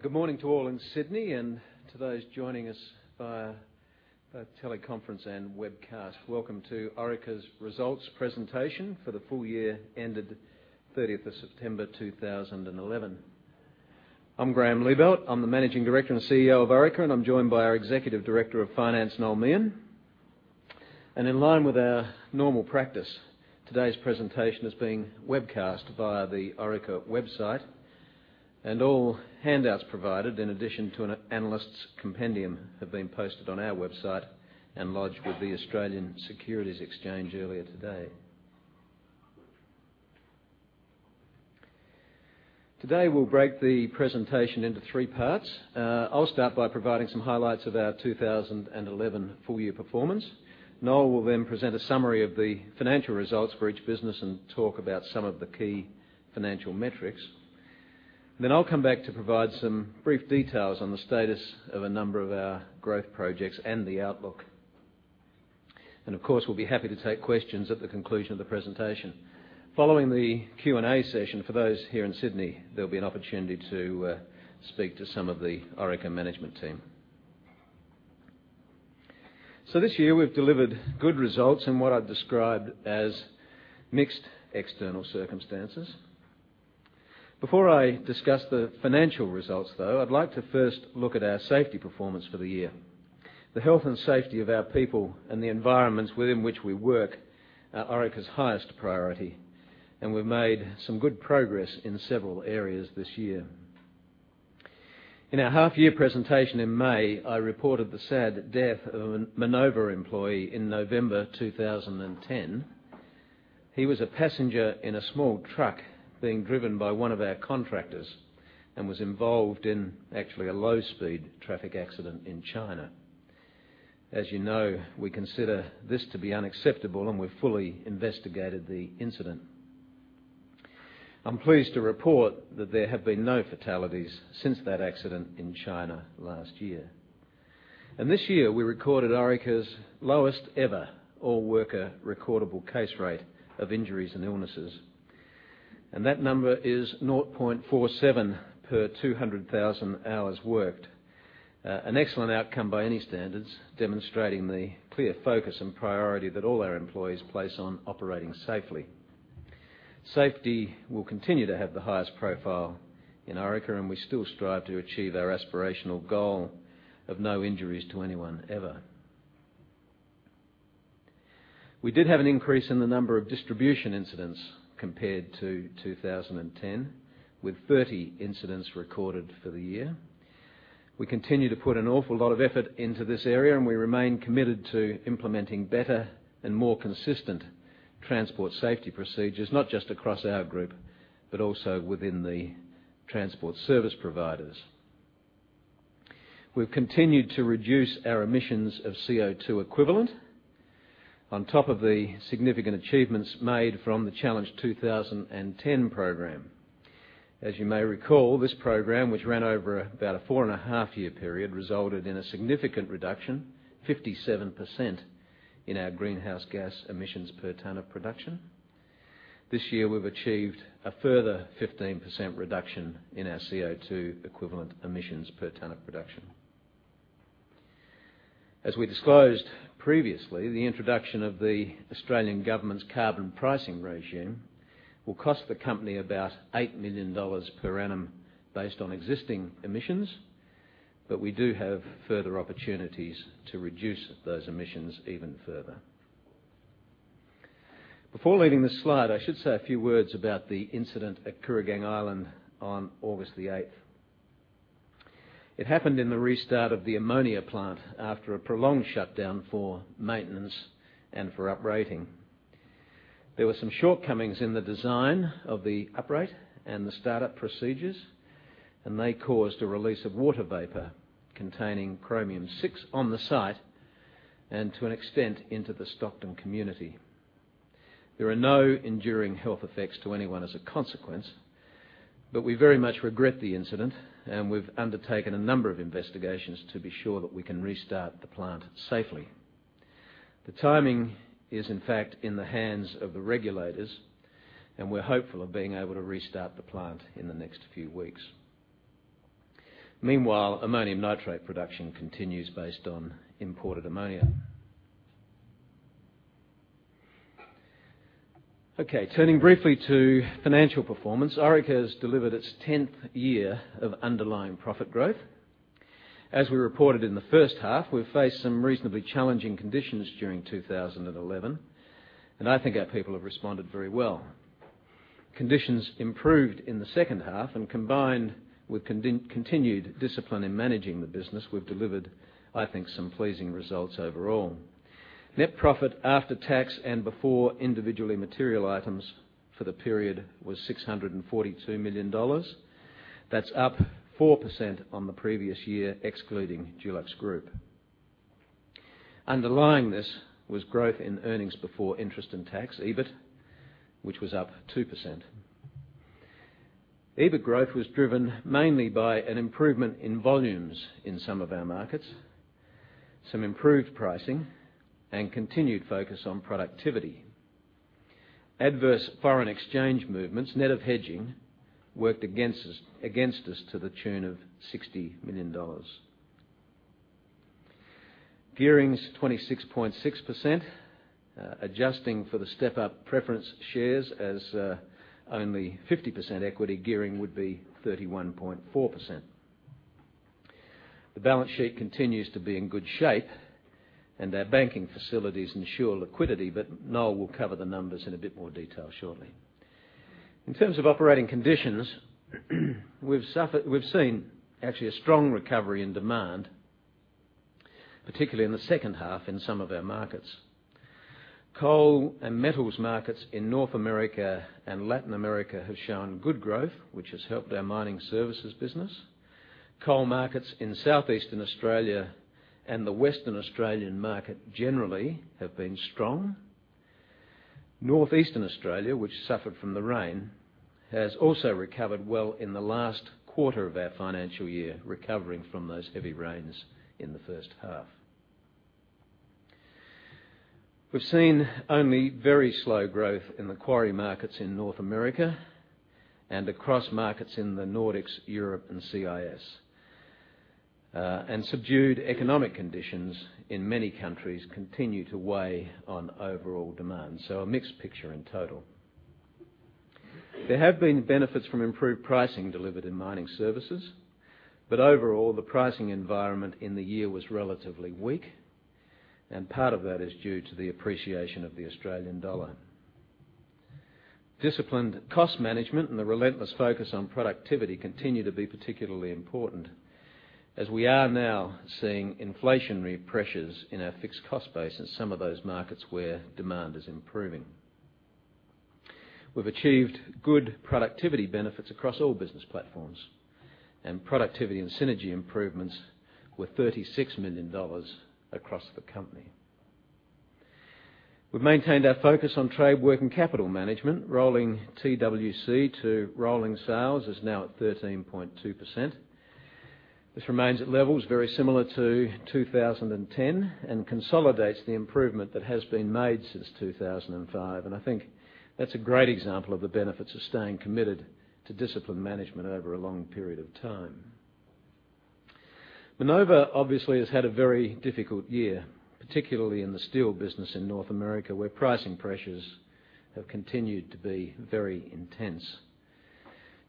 Good morning to all in Sydney and to those joining us via teleconference and webcast. Welcome to Orica's results presentation for the full year ended 30th of September 2011. I'm Graeme Liebelt. I'm the Managing Director and CEO of Orica, and I'm joined by our Executive Director Finance, Noel Meehan. In line with our normal practice, today's presentation is being webcast via the Orica website, and all handouts provided, in addition to an analysts' compendium, have been posted on our website and lodged with the Australian Securities Exchange earlier today. Today, we'll break the presentation into three parts. I'll start by providing some highlights of our 2011 full year performance. Noel will present a summary of the financial results for each business and talk about some of the key financial metrics. I'll come back to provide some brief details on the status of a number of our growth projects and the outlook. Of course, we'll be happy to take questions at the conclusion of the presentation. Following the Q&A session, for those here in Sydney, there'll be an opportunity to speak to some of the Orica management team. This year, we've delivered good results in what I've described as mixed external circumstances. Before I discuss the financial results, though, I'd like to first look at our safety performance for the year. The health and safety of our people and the environments within which we work are Orica's highest priority, and we've made some good progress in several areas this year. In our half year presentation in May, I reported the sad death of a Minova employee in November 2010. He was a passenger in a small truck being driven by one of our contractors and was involved in actually a low-speed traffic accident in China. As you know, we consider this to be unacceptable, and we fully investigated the incident. I'm pleased to report that there have been no fatalities since that accident in China last year. This year, we recorded Orica's lowest ever all worker recordable case rate of injuries and illnesses. That number is 0.47 per 200,000 hours worked. An excellent outcome by any standards, demonstrating the clear focus and priority that all our employees place on operating safely. Safety will continue to have the highest profile in Orica, and we still strive to achieve our aspirational goal of no injuries to anyone ever. We did have an increase in the number of distribution incidents compared to 2010, with 30 incidents recorded for the year. We continue to put an awful lot of effort into this area, and we remain committed to implementing better and more consistent transport safety procedures, not just across our group, but also within the transport service providers. We've continued to reduce our emissions of CO2 equivalent on top of the significant achievements made from the Challenge 2010 program. As you may recall, this program, which ran over about a four-and-a-half-year period, resulted in a significant reduction, 57%, in our greenhouse gas emissions per ton of production. This year, we've achieved a further 15% reduction in our CO2 equivalent emissions per ton of production. As we disclosed previously, the introduction of the Australian government's carbon pricing regime will cost the company about 8 million dollars per annum based on existing emissions, but we do have further opportunities to reduce those emissions even further. Before leaving this slide, I should say a few words about the incident at Kooragang Island on August 8th. It happened in the restart of the ammonia plant after a prolonged shutdown for maintenance and for uprating. There were some shortcomings in the design of the upright and the startup procedures. They caused a release of water vapor containing chromium-6 on the site and to an extent into the Stockton community. There are no enduring health effects to anyone as a consequence, but we very much regret the incident, and we've undertaken a number of investigations to be sure that we can restart the plant safely. The timing is, in fact, in the hands of the regulators, and we're hopeful of being able to restart the plant in the next few weeks. Meanwhile, ammonium nitrate production continues based on imported ammonia. Okay, turning briefly to financial performance. Orica has delivered its 10th year of underlying profit growth. As we reported in the first half, we've faced some reasonably challenging conditions during 2011, and I think our people have responded very well. Conditions improved in the second half and combined with continued discipline in managing the business, we've delivered, I think, some pleasing results overall. Net profit after tax and before individually material items for the period was 642 million dollars. That's up 4% on the previous year, excluding DuluxGroup. Underlying this was growth in earnings before interest and tax, EBIT, which was up 2%. EBIT growth was driven mainly by an improvement in volumes in some of our markets, some improved pricing, and continued focus on productivity. Adverse foreign exchange movements, net of hedging, worked against us to the tune of 60 million dollars. Gearing's 26.6%. Adjusting for the step-up preference shares as only 50% equity, gearing would be 31.4%. The balance sheet continues to be in good shape, and our banking facilities ensure liquidity. Noel will cover the numbers in a bit more detail shortly. In terms of operating conditions, we've seen actually a strong recovery in demand, particularly in the second half in some of our markets. Coal and metals markets in North America and Latin America have shown good growth, which has helped our mining services business. Coal markets in southeastern Australia and the Western Australian market generally have been strong. Northeastern Australia, which suffered from the rain, has also recovered well in the last quarter of our financial year, recovering from those heavy rains in the first half. We've seen only very slow growth in the quarry markets in North America and across markets in the Nordics, Europe, and CIS. Subdued economic conditions in many countries continue to weigh on overall demand. A mixed picture in total. There have been benefits from improved pricing delivered in mining services. Overall, the pricing environment in the year was relatively weak, and part of that is due to the appreciation of the Australian dollar. Disciplined cost management and the relentless focus on productivity continue to be particularly important, as we are now seeing inflationary pressures in our fixed cost base in some of those markets where demand is improving. We've achieved good productivity benefits across all business platforms, and productivity and synergy improvements were 36 million dollars across the company. We've maintained our focus on trade work and capital management. Rolling TWC to rolling sales is now at 13.2%. This remains at levels very similar to 2010 and consolidates the improvement that has been made since 2005. I think that's a great example of the benefits of staying committed to disciplined management over a long period of time. Minova obviously has had a very difficult year, particularly in the steel business in North America, where pricing pressures have continued to be very intense.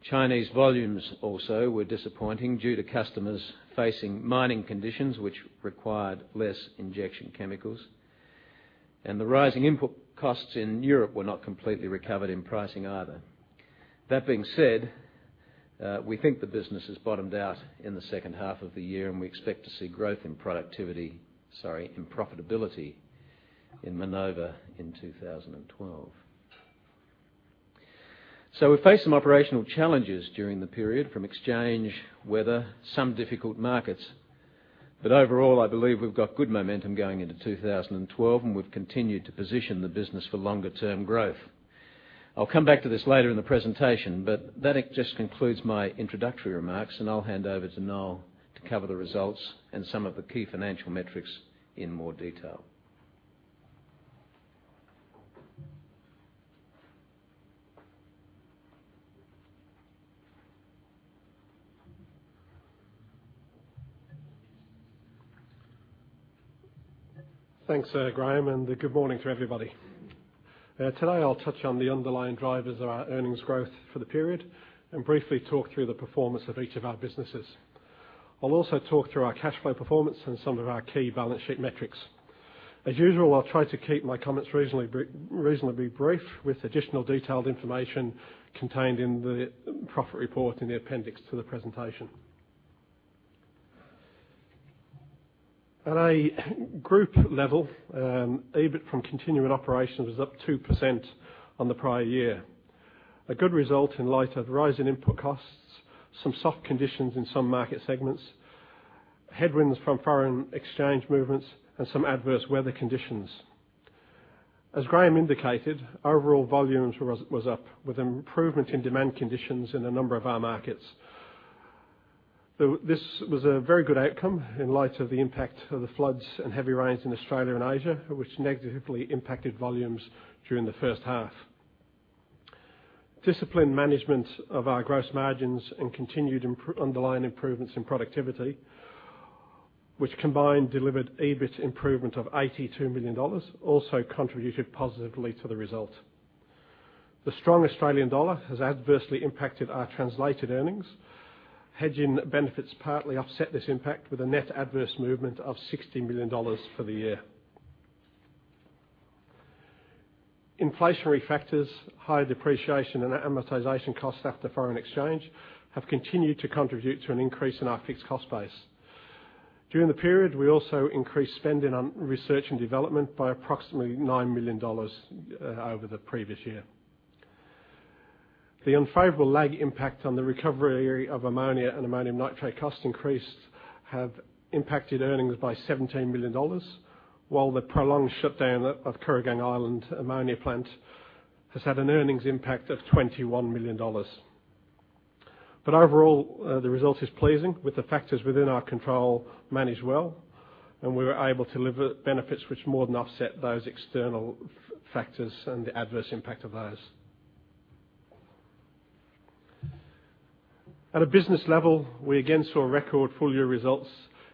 Chinese volumes also were disappointing due to customers facing mining conditions which required less injection chemicals, and the rising input costs in Europe were not completely recovered in pricing either. That being said, we think the business has bottomed out in the second half of the year, and we expect to see growth in productivity, sorry, in profitability in Minova in 2012. We faced some operational challenges during the period from exchange, weather, some difficult markets. But overall, I believe we've got good momentum going into 2012, and we've continued to position the business for longer term growth. I'll come back to this later in the presentation, that just concludes my introductory remarks, I'll hand over to Noel to cover the results and some of the key financial metrics in more detail. Thanks, Graeme, good morning to everybody. Today, I'll touch on the underlying drivers of our earnings growth for the period and briefly talk through the performance of each of our businesses. I'll also talk through our cash flow performance and some of our key balance sheet metrics. As usual, I'll try to keep my comments reasonably brief, with additional detailed information contained in the profit report in the appendix to the presentation. At a group level, EBIT from continuing operations was up 2% on the prior year. A good result in light of rising input costs, some soft conditions in some market segments, headwinds from foreign exchange movements, and some adverse weather conditions. As Graeme indicated, overall volumes was up with an improvement in demand conditions in a number of our markets. This was a very good outcome in light of the impact of the floods and heavy rains in Australia and Asia, which negatively impacted volumes during the first half. Disciplined management of our gross margins and continued underlying improvements in productivity, which combined delivered EBIT improvement of 82 million dollars, also contributed positively to the result. The strong Australian dollar has adversely impacted our translated earnings. Hedging benefits partly offset this impact with a net adverse movement of 60 million dollars for the year. Inflationary factors, high depreciation, and amortization costs after foreign exchange have continued to contribute to an increase in our fixed cost base. During the period, we also increased spending on research and development by approximately 9 million dollars over the previous year. The unfavorable lag impact on the recovery of ammonia and ammonium nitrate cost increase have impacted earnings by 17 million dollars, while the prolonged shutdown of Kooragang Island ammonia plant has had an earnings impact of 21 million dollars. Overall, the result is pleasing with the factors within our control managed well, and we were able to deliver benefits which more than offset those external factors and the adverse impact of those. At a business level, we again saw record full-year results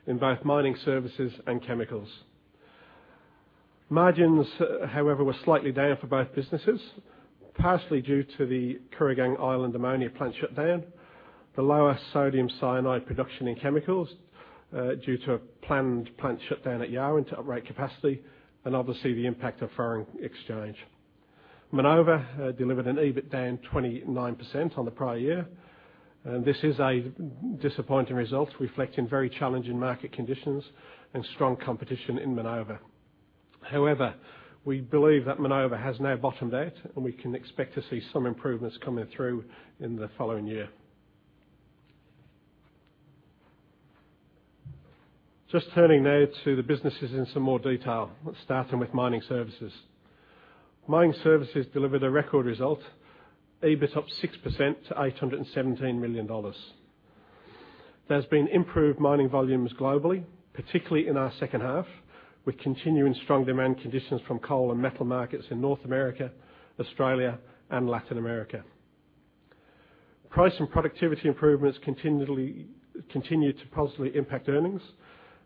in both mining services and chemicals. Margins, however, were slightly down for both businesses, partially due to the Kooragang Island ammonia plant shutdown, the lower sodium cyanide production in chemicals due to a planned plant shutdown at Yarwun to uprate capacity, and obviously the impact of foreign exchange. Minova delivered an EBIT down 29% on the prior year. This is a disappointing result, reflecting very challenging market conditions and strong competition in Minova. However, we believe that Minova has now bottomed out, and we can expect to see some improvements coming through in the following year. Just turning now to the businesses in some more detail, starting with mining services. Mining services delivered a record result. EBIT up 6% to 817 million dollars. There has been improved mining volumes globally, particularly in our second half, with continuing strong demand conditions from coal and metal markets in North America, Australia, and Latin America. Price and productivity improvements continue to positively impact earnings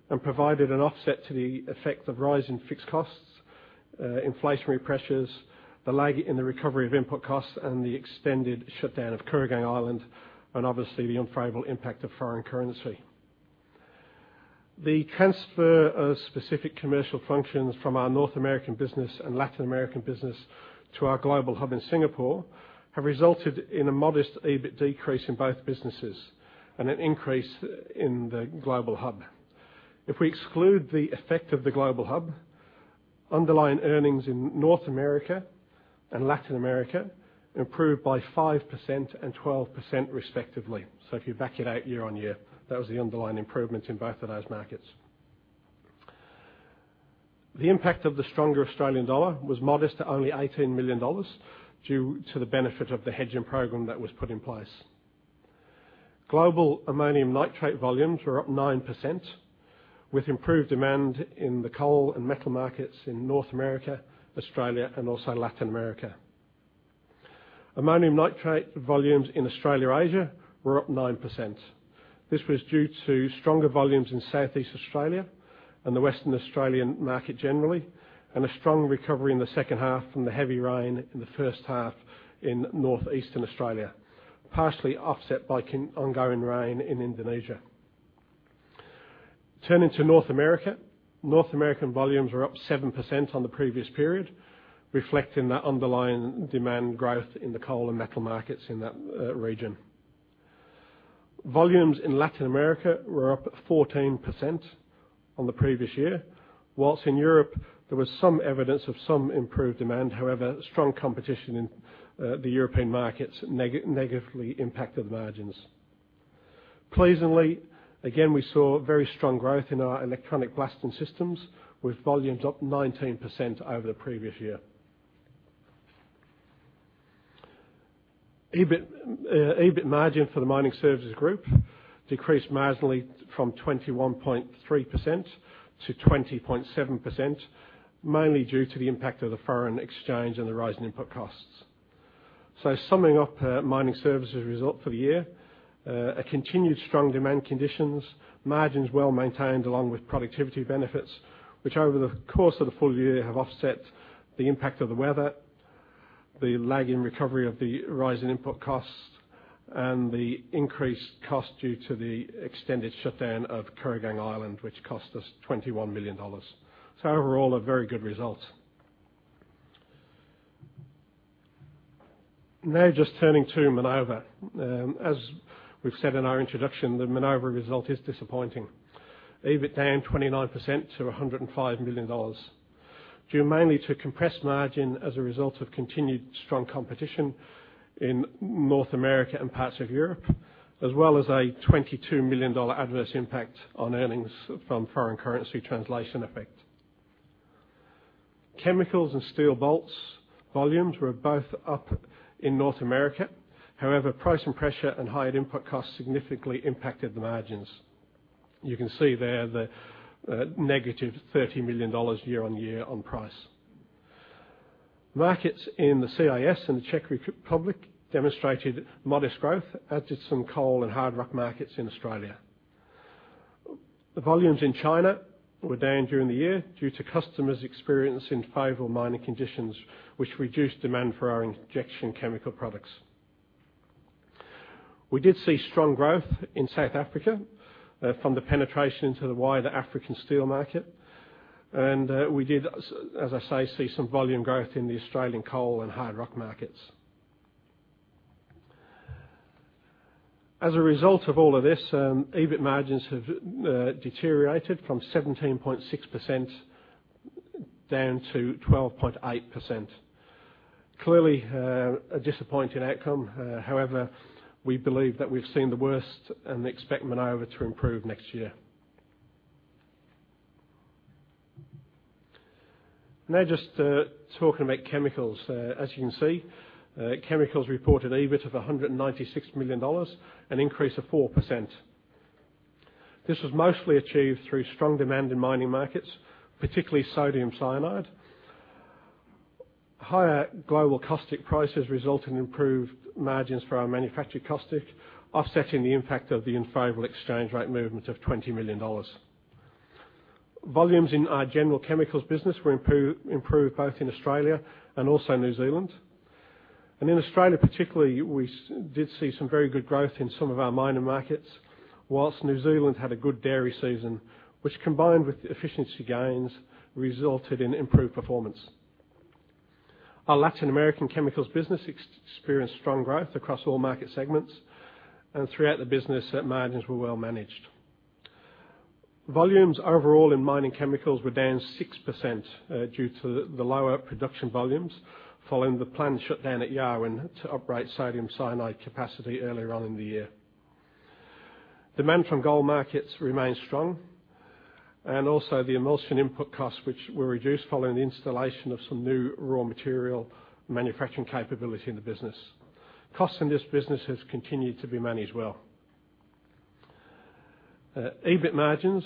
and provided an offset to the effect of rising fixed costs, inflationary pressures, the lag in the recovery of input costs, and the extended shutdown of Kooragang Island, and obviously the unfavorable impact of foreign currency. The transfer of specific commercial functions from our North American business and Latin American business to our global hub in Singapore have resulted in a modest EBIT decrease in both businesses and an increase in the global hub. If we exclude the effect of the global hub, underlying earnings in North America and Latin America improved by 5% and 12% respectively. If you back it out year on year, that was the underlying improvements in both of those markets. The impact of the stronger Australian dollar was modest at only 18 million dollars due to the benefit of the hedging program that was put in place. Global ammonium nitrate volumes were up 9% with improved demand in the coal and metal markets in North America, Australia, and also Latin America. Ammonium nitrate volumes in Australia-Asia were up 9%. This was due to stronger volumes in Southeast Australia and the Western Australian market generally, and a strong recovery in the second half from the heavy rain in the first half in northeastern Australia, partially offset by ongoing rain in Indonesia. Turning to North America. North American volumes were up 7% on the previous period, reflecting the underlying demand growth in the coal and metal markets in that region. Volumes in Latin America were up 14% on the previous year, whilst in Europe there was some evidence of some improved demand. However, strong competition in the European markets negatively impacted margins. Pleasingly, again, we saw very strong growth in our Electronic Blasting Systems, with volumes up 19% over the previous year. EBIT margin for the mining services group decreased marginally from 21.3% to 20.7%, mainly due to the impact of the foreign exchange and the rising input costs. Summing up mining services result for the year, a continued strong demand conditions, margins well maintained along with productivity benefits which over the course of the full year have offset the impact of the weather, the lag in recovery of the rise in input costs, and the increased cost due to the extended shutdown of Kooragang Island, which cost us 21 million dollars. Overall, a very good result. Just turning to Minova. As we've said in our introduction, the Minova result is disappointing. EBIT down 29% to 105 million dollars, due mainly to compressed margin as a result of continued strong competition in North America and parts of Europe, as well as a 22 million dollar adverse impact on earnings from foreign currency translation effect. Chemicals and steel bolts volumes were both up in North America. However, pricing pressure and higher input costs significantly impacted the margins. You can see there the negative 30 million dollars year on year on price. Markets in the CIS and the Czech Republic demonstrated modest growth, as did some coal and hard rock markets in Australia. The volumes in China were down during the year due to customers experiencing favorable mining conditions, which reduced demand for our injection chemical products. We did see strong growth in South Africa from the penetration into the wider African steel market. We did, as I say, see some volume growth in the Australian coal and hard rock markets. As a result of all of this, EBIT margins have deteriorated from 17.6% down to 12.8%. Clearly a disappointing outcome. However, we believe that we've seen the worst and expect Minova to improve next year. Just talking about chemicals. As you can see, chemicals reported EBIT of 196 million dollars, an increase of 4%. This was mostly achieved through strong demand in mining markets, particularly sodium cyanide. Higher global caustic prices result in improved margins for our manufactured caustic, offsetting the impact of the unfavorable exchange rate movement of 20 million dollars. Volumes in our general chemicals business were improved both in Australia and also New Zealand. In Australia particularly, we did see some very good growth in some of our minor markets, whilst New Zealand had a good dairy season, which combined with efficiency gains, resulted in improved performance. Our Latin American chemicals business experienced strong growth across all market segments, and throughout the business margins were well managed. Volumes overall in mining chemicals were down 6% due to the lower production volumes following the planned shutdown at Yarwun to uprate sodium cyanide capacity earlier on in the year. Demand from gold markets remained strong, also the emulsion input costs which were reduced following the installation of some new raw material manufacturing capability in the business. Costs in this business has continued to be managed well. EBIT margins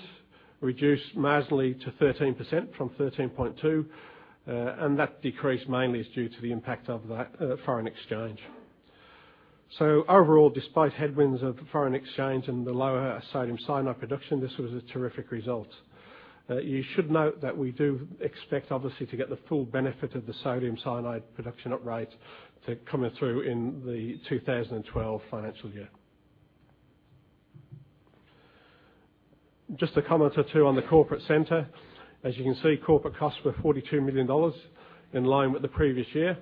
reduced marginally to 13% from 13.2%, that decrease mainly is due to the impact of that foreign exchange. Overall, despite headwinds of foreign exchange and the lower sodium cyanide production, this was a terrific result. You should note that we do expect, obviously, to get the full benefit of the sodium cyanide production uprate to coming through in the 2012 financial year. Just a comment or two on the corporate center. As you can see, corporate costs were 42 million dollars, in line with the previous year.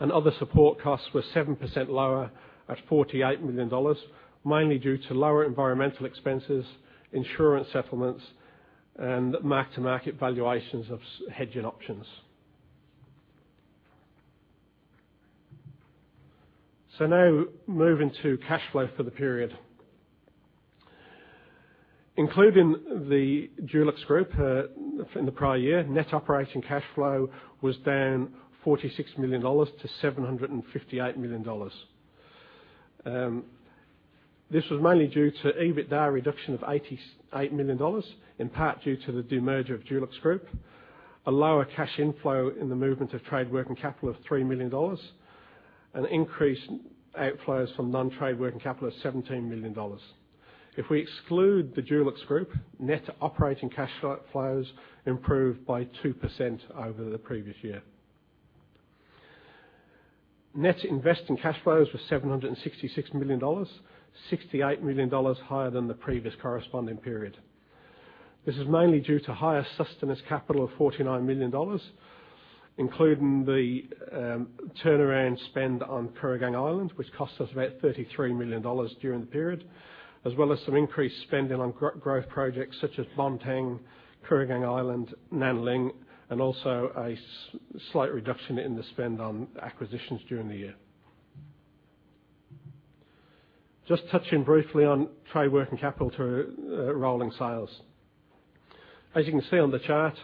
Other support costs were 7% lower at 48 million dollars, mainly due to lower environmental expenses, insurance settlements, and mark-to-market valuations of hedging options. Now moving to cash flow for the period. Including the DuluxGroup in the prior year, net operating cash flow was down 46 million dollars to 758 million dollars. This was mainly due to EBITDA reduction of 88 million dollars, in part due to the demerger of DuluxGroup, a lower cash inflow in the movement of trade working capital of 3 million dollars, an increase in outflows from non-trade working capital of 17 million dollars. If we exclude the DuluxGroup, net operating cash flows improved by 2% over the previous year. Net investing cash flows were 766 million dollars, 68 million dollars higher than the previous corresponding period. This is mainly due to higher sustenance capital of 49 million dollars, including the turnaround spend on Kooragang Island, which cost us about 33 million dollars during the period, as well as some increased spending on growth projects such as Bontang, Kooragang Island, Nanling, and also a slight reduction in the spend on acquisitions during the year. Just touching briefly on trade working capital to rolling sales. As you can see on the chart,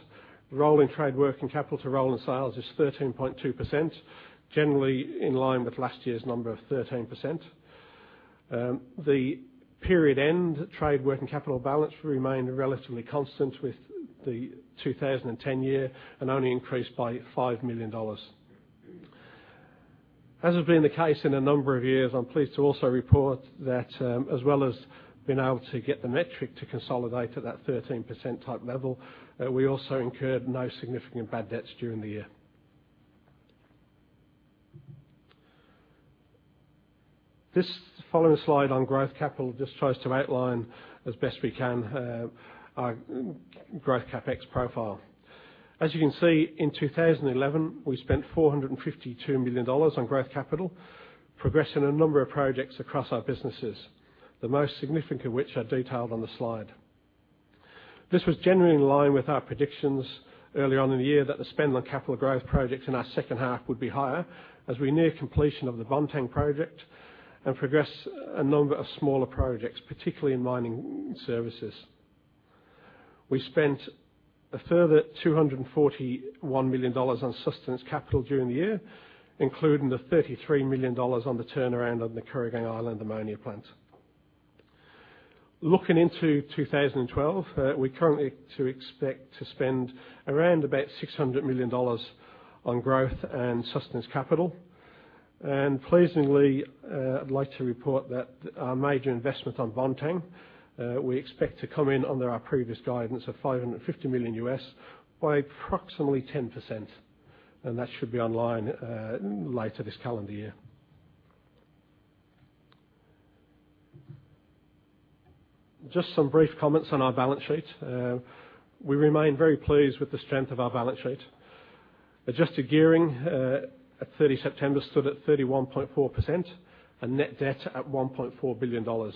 rolling trade working capital to rolling sales is 13.2%, generally in line with last year's number of 13%. The period-end trade working capital balance remained relatively constant with the 2010 year and only increased by 5 million dollars. As has been the case in a number of years, I'm pleased to also report that as well as being able to get the metric to consolidate at that 13%-type level, we also incurred no significant bad debts during the year. This following slide on growth capital just tries to outline as best we can our growth CapEx profile. As you can see, in 2011, we spent 452 million dollars on growth capital, progressing a number of projects across our businesses, the most significant of which are detailed on the slide. This was generally in line with our predictions earlier on in the year that the spend on capital growth projects in our second half would be higher as we near completion of the Bontang project and progress a number of smaller projects, particularly in mining services. We spent a further 241 million dollars on sustenance capital during the year, including the 33 million dollars on the turnaround on the Kooragang Island ammonia plant. Looking into 2012, we currently expect to spend around about 600 million dollars on growth and sustenance capital. Pleasingly, I'd like to report that our major investment on Bontang, we expect to come in under our previous guidance of $550 million by approximately 10%, and that should be online later this calendar year. Just some brief comments on our balance sheet. We remain very pleased with the strength of our balance sheet. Adjusted gearing at 30 September stood at 31.4% and net debt at 1.4 billion dollars.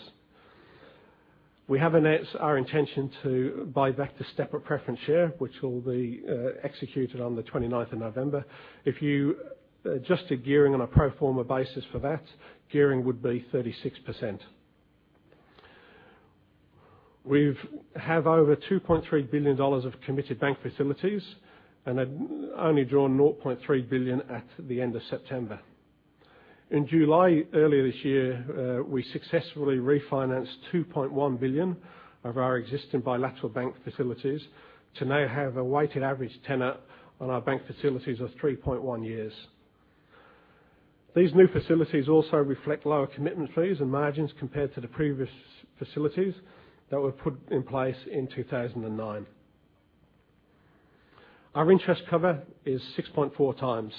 We have announced our intention to buy back the step-up preference share, which will be executed on the 29th of November. If you adjusted gearing on a pro forma basis for that, gearing would be 36%. We have over 2.3 billion dollars of committed bank facilities and have only drawn 0.3 billion at the end of September. In July, earlier this year, we successfully refinanced 2.1 billion of our existing bilateral bank facilities to now have a weighted average tenor on our bank facilities of 3.1 years. These new facilities also reflect lower commitment fees and margins compared to the previous facilities that were put in place in 2009. Our interest cover is 6.4 times.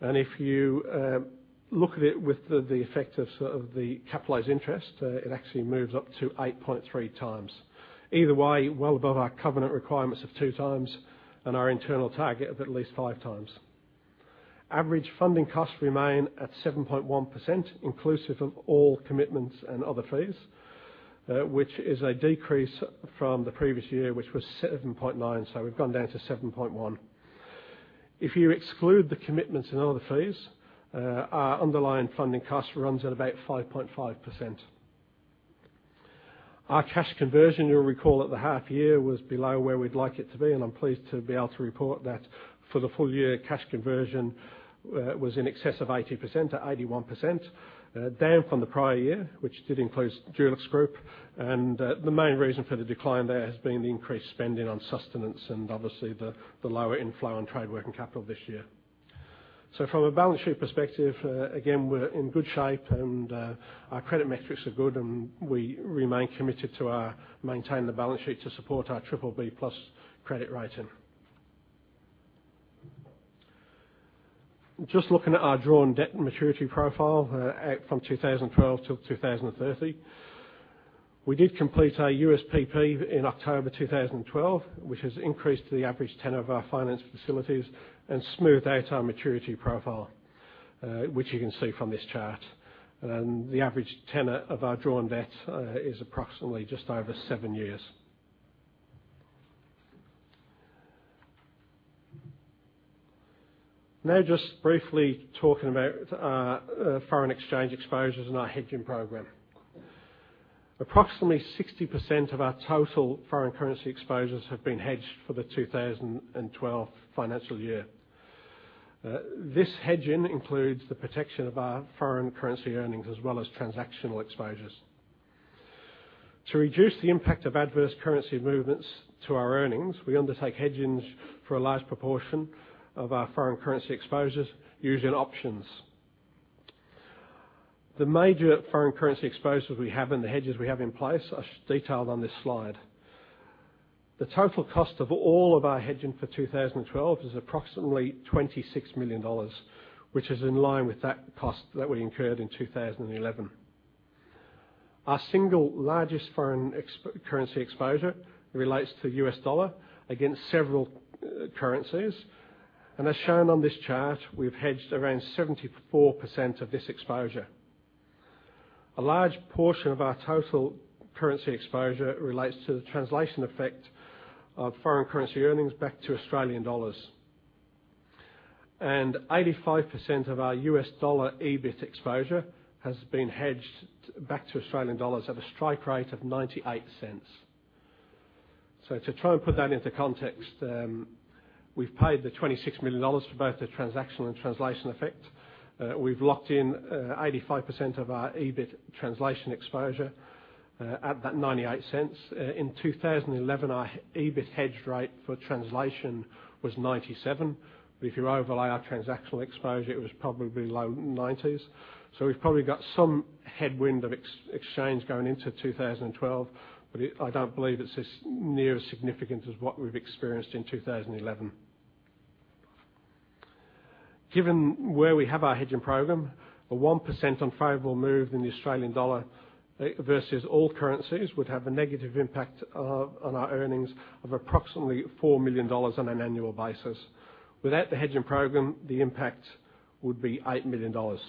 If you look at it with the effect of the capitalized interest, it actually moves up to 8.3 times. Either way, well above our covenant requirements of two times and our internal target of at least five times. Average funding costs remain at 7.1%, inclusive of all commitments and other fees, which is a decrease from the previous year, which was 7.9%. We've gone down to 7.1%. If you exclude the commitments and other fees, our underlying funding cost runs at about 5.5%. Our cash conversion, you'll recall at the half year, was below where we'd like it to be, and I'm pleased to be able to report that for the full year cash conversion was in excess of 80%-81%, down from the prior year, which did include DuluxGroup, and the main reason for the decline there has been the increased spending on sustenance and obviously the lower inflow on trade working capital this year. From a balance sheet perspective, again, we're in good shape and our credit metrics are good and we remain committed to maintain the balance sheet to support our BBB+ credit rating. Looking at our drawn debt maturity profile from 2012 till 2030. We did complete our USPP in October 2012, which has increased the average tenor of our finance facilities and smoothed out our maturity profile, which you can see from this chart. The average tenor of our drawn debt is approximately just over seven years. Briefly talking about our foreign exchange exposures and our hedging program. Approximately 60% of our total foreign currency exposures have been hedged for the 2012 financial year. This hedging includes the protection of our foreign currency earnings as well as transactional exposures. To reduce the impact of adverse currency movements to our earnings, we undertake hedgings for a large proportion of our foreign currency exposures using options. The major foreign currency exposures we have and the hedges we have in place are detailed on this slide. The total cost of all of our hedging for 2012 is approximately $26 million, which is in line with that cost that we incurred in 2011. Our single largest foreign currency exposure relates to the US dollar against several currencies. As shown on this chart, we've hedged around 74% of this exposure. A large portion of our total currency exposure relates to the translation effect of foreign currency earnings back to Australian dollars. 85% of our US dollar EBIT exposure has been hedged back to Australian dollars at a strike rate of 0.98. To try and put that into context, we've paid the $26 million for both the transactional and translation effect. We've locked in 85% of our EBIT translation exposure at that 0.98. In 2011, our EBIT hedge rate for translation was 0.97. If you overlay our transactional exposure, it was probably low 90s. We've probably got some headwind of exchange going into 2012, but I don't believe it's as near as significant as what we've experienced in 2011. Given where we have our hedging program, a 1% unfavorable move in the Australian dollar versus all currencies would have a negative impact on our earnings of approximately 4 million dollars on an annual basis. Without the hedging program, the impact would be 8 million dollars.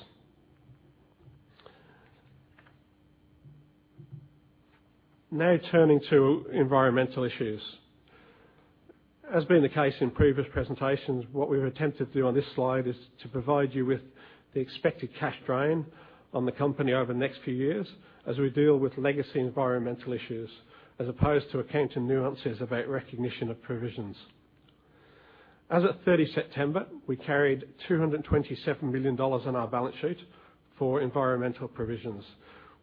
Turning to environmental issues. As been the case in previous presentations, what we've attempted to do on this slide is to provide you with the expected cash drain on the company over the next few years as we deal with legacy environmental issues, as opposed to accounting nuances about recognition of provisions. As at 30 September, we carried 227 million dollars on our balance sheet for environmental provisions,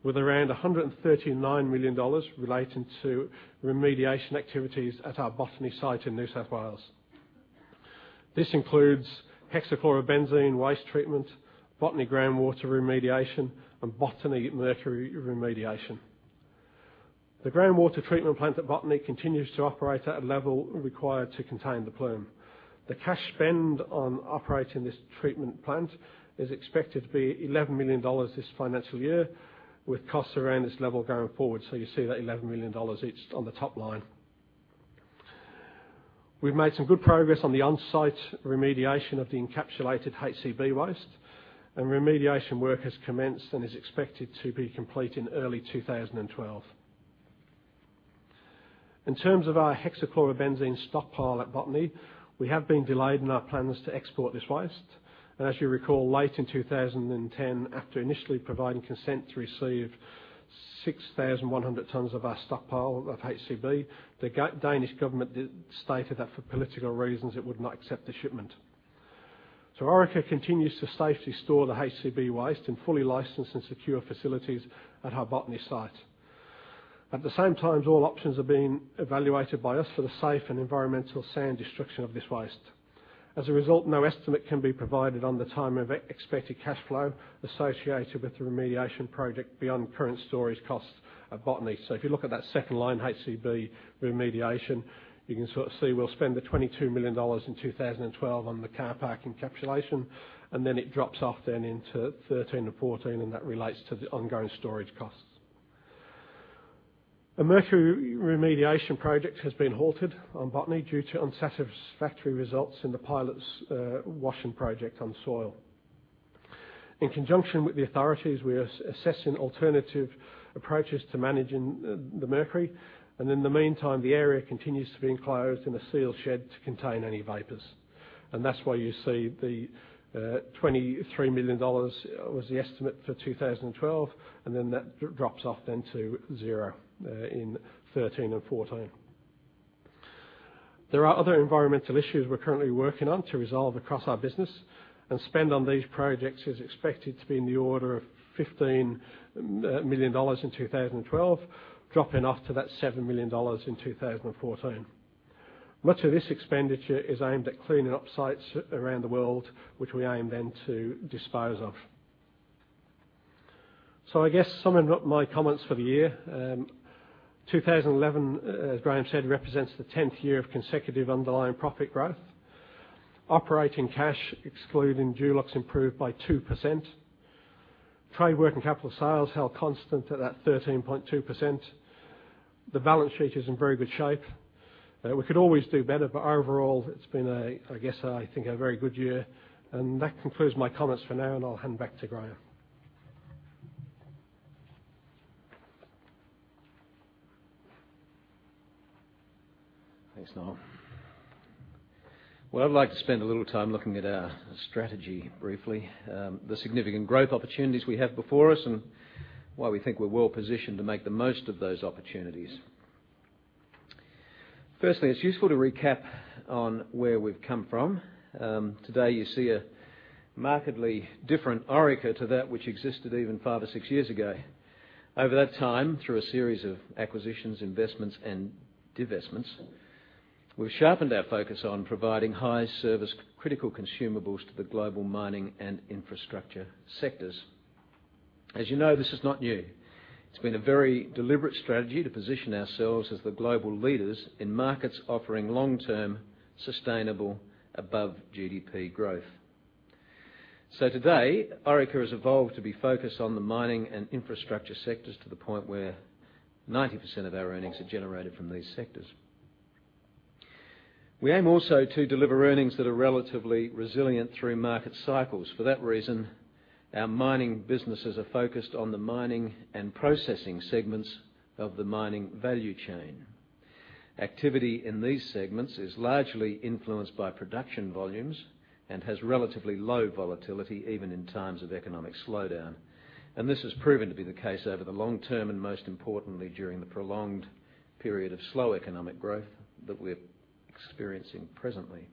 with around 139 million dollars relating to remediation activities at our Botany site in New South Wales. This includes hexachlorobenzene waste treatment, Botany groundwater remediation, and Botany mercury remediation. The groundwater treatment plant at Botany continues to operate at a level required to contain the plume. The cash spend on operating this treatment plant is expected to be 11 million dollars this financial year, with costs around this level going forward. You see that 11 million dollars each on the top line. We've made some good progress on the on-site remediation of the encapsulated HCB waste, and remediation work has commenced and is expected to be complete in early 2012. In terms of our hexachlorobenzene stockpile at Botany, we have been delayed in our plans to export this waste. As you recall, late in 2010, after initially providing consent to receive 6,100 tons of our stockpile of HCB, the Danish government stated that for political reasons, it would not accept the shipment. Orica continues to safely store the HCB waste in fully licensed and secure facilities at our Botany site. At the same time, all options are being evaluated by us for the safe and environmentally sound destruction of this waste. As a result, no estimate can be provided on the time of expected cash flow associated with the remediation project beyond current storage costs at Botany. If you look at that second line, HCB remediation, you can sort of see we'll spend the 22 million dollars in 2012 on the car park encapsulation, and then it drops off then into 2013 and 2014, and that relates to the ongoing storage costs. The mercury remediation project has been halted on Botany due to unsatisfactory results in the pilot's washing project on soil. In conjunction with the authorities, we are assessing alternative approaches to managing the mercury, and in the meantime, the area continues to be enclosed in a sealed shed to contain any vapors. That's why you see the 23 million dollars was the estimate for 2012, and then that drops off then to zero in 2013 and 2014. There are other environmental issues we're currently working on to resolve across our business, and spend on these projects is expected to be in the order of 15 million dollars in 2012, dropping off to that 7 million dollars in 2014. Much of this expenditure is aimed at cleaning up sites around the world, which we aim then to dispose of. I guess summing up my comments for the year. 2011, as Graeme said, represents the 10th year of consecutive underlying profit growth. Operating cash, excluding Dulux, improved by 2%. Trade working capital sales held constant at that 13.2%. The balance sheet is in very good shape. We could always do better, but overall, it's been, I guess, I think a very good year. That concludes my comments for now, and I'll hand back to Graeme. Thanks, Noel. I'd like to spend a little time looking at our strategy briefly, the significant growth opportunities we have before us, and why we think we're well-positioned to make the most of those opportunities. Firstly, it's useful to recap on where we've come from. Today, you see a markedly different Orica to that which existed even five or six years ago. Over that time, through a series of acquisitions, investments, and divestments, we've sharpened our focus on providing high-service, critical consumables to the global mining and infrastructure sectors. As you know, this is not new. It's been a very deliberate strategy to position ourselves as the global leaders in markets offering long-term, sustainable, above-GDP growth. Today, Orica has evolved to be focused on the mining and infrastructure sectors to the point where 90% of our earnings are generated from these sectors. We aim also to deliver earnings that are relatively resilient through market cycles. For that reason, our mining businesses are focused on the mining and processing segments of the mining value chain. Activity in these segments is largely influenced by production volumes and has relatively low volatility, even in times of economic slowdown. This has proven to be the case over the long term, and most importantly, during the prolonged period of slow economic growth that we're experiencing presently.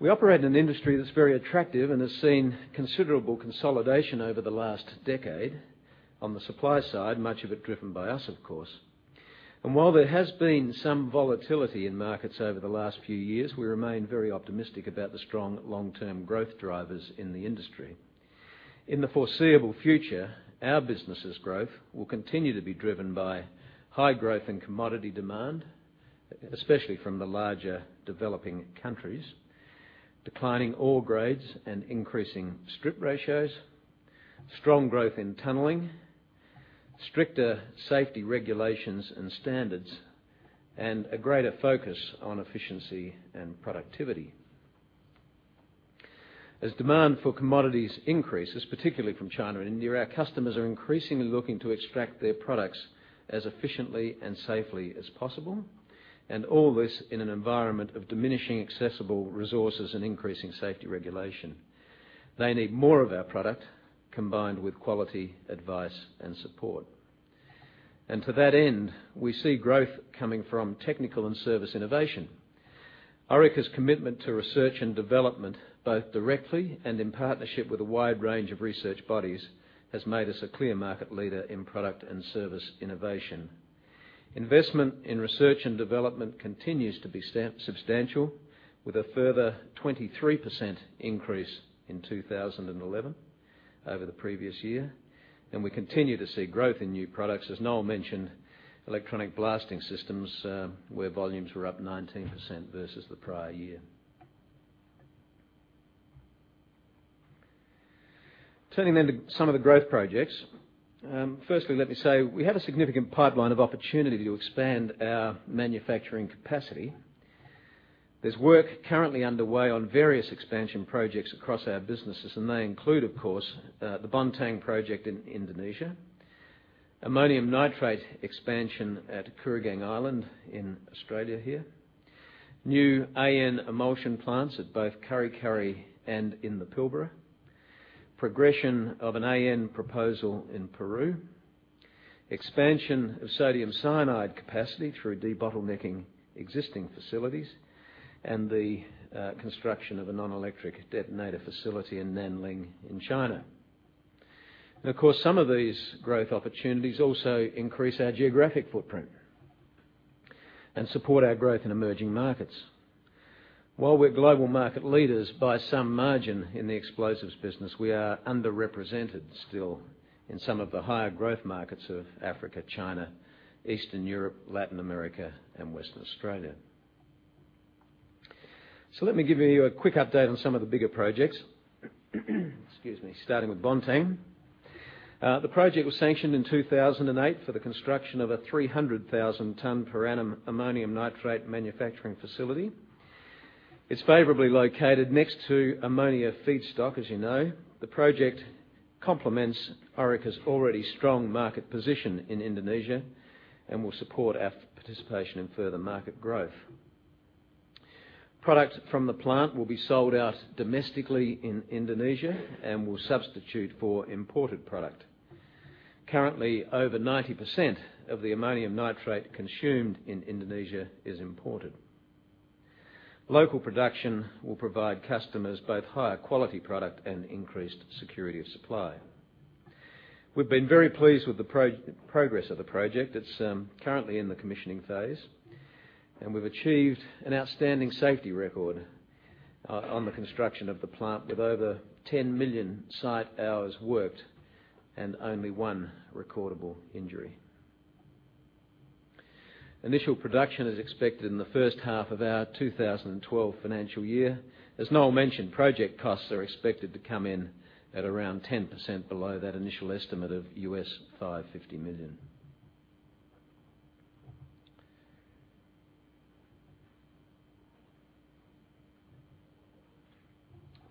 We operate in an industry that's very attractive and has seen considerable consolidation over the last decade. On the supply side, much of it driven by us, of course. While there has been some volatility in markets over the last few years, we remain very optimistic about the strong long-term growth drivers in the industry. In the foreseeable future, our business's growth will continue to be driven by high growth in commodity demand, especially from the larger developing countries, declining ore grades and increasing strip ratios, strong growth in tunneling, stricter safety regulations and standards, and a greater focus on efficiency and productivity. As demand for commodities increases, particularly from China and India, our customers are increasingly looking to extract their products as efficiently and safely as possible, and all this in an environment of diminishing accessible resources and increasing safety regulation. They need more of our product, combined with quality advice and support. To that end, we see growth coming from technical and service innovation. Orica's commitment to research and development, both directly and in partnership with a wide range of research bodies, has made us a clear market leader in product and service innovation. Investment in research and development continues to be substantial, with a further 23% increase in 2011 over the previous year. We continue to see growth in new products. As Noel mentioned, Electronic Blasting Systems, where volumes were up 19% versus the prior year. To some of the growth projects. Firstly, let me say, we have a significant pipeline of opportunity to expand our manufacturing capacity. There's work currently underway on various expansion projects across our businesses. They include, of course, the Bontang project in Indonesia; ammonium nitrate expansion at Kooragang Island in Australia here; new AN emulsion plants at both Kurri Kurri and in the Pilbara; progression of an AN proposal in Peru; expansion of sodium cyanide capacity through debottlenecking existing facilities; and the construction of a non-electric detonator facility in Nanling in China. Of course, some of these growth opportunities also increase our geographic footprint and support our growth in emerging markets. While we're global market leaders by some margin in the explosives business, we are underrepresented still in some of the higher growth markets of Africa, China, Eastern Europe, Latin America, and Western Australia. Let me give you a quick update on some of the bigger projects. Excuse me. Starting with Bontang. The project was sanctioned in 2008 for the construction of a 300,000 tonne per annum ammonium nitrate manufacturing facility. It's favorably located next to ammonia feedstock, as you know. The project complements Orica's already strong market position in Indonesia and will support our participation in further market growth. Product from the plant will be sold out domestically in Indonesia and will substitute for imported product. Currently, over 90% of the ammonium nitrate consumed in Indonesia is imported. Local production will provide customers both higher quality product and increased security of supply. We've been very pleased with the progress of the project. It's currently in the commissioning phase, and we've achieved an outstanding safety record on the construction of the plant with over 10 million site hours worked and only one recordable injury. Initial production is expected in the first half of our 2012 financial year. As Noel mentioned, project costs are expected to come in at around 10% below that initial estimate of $550 million.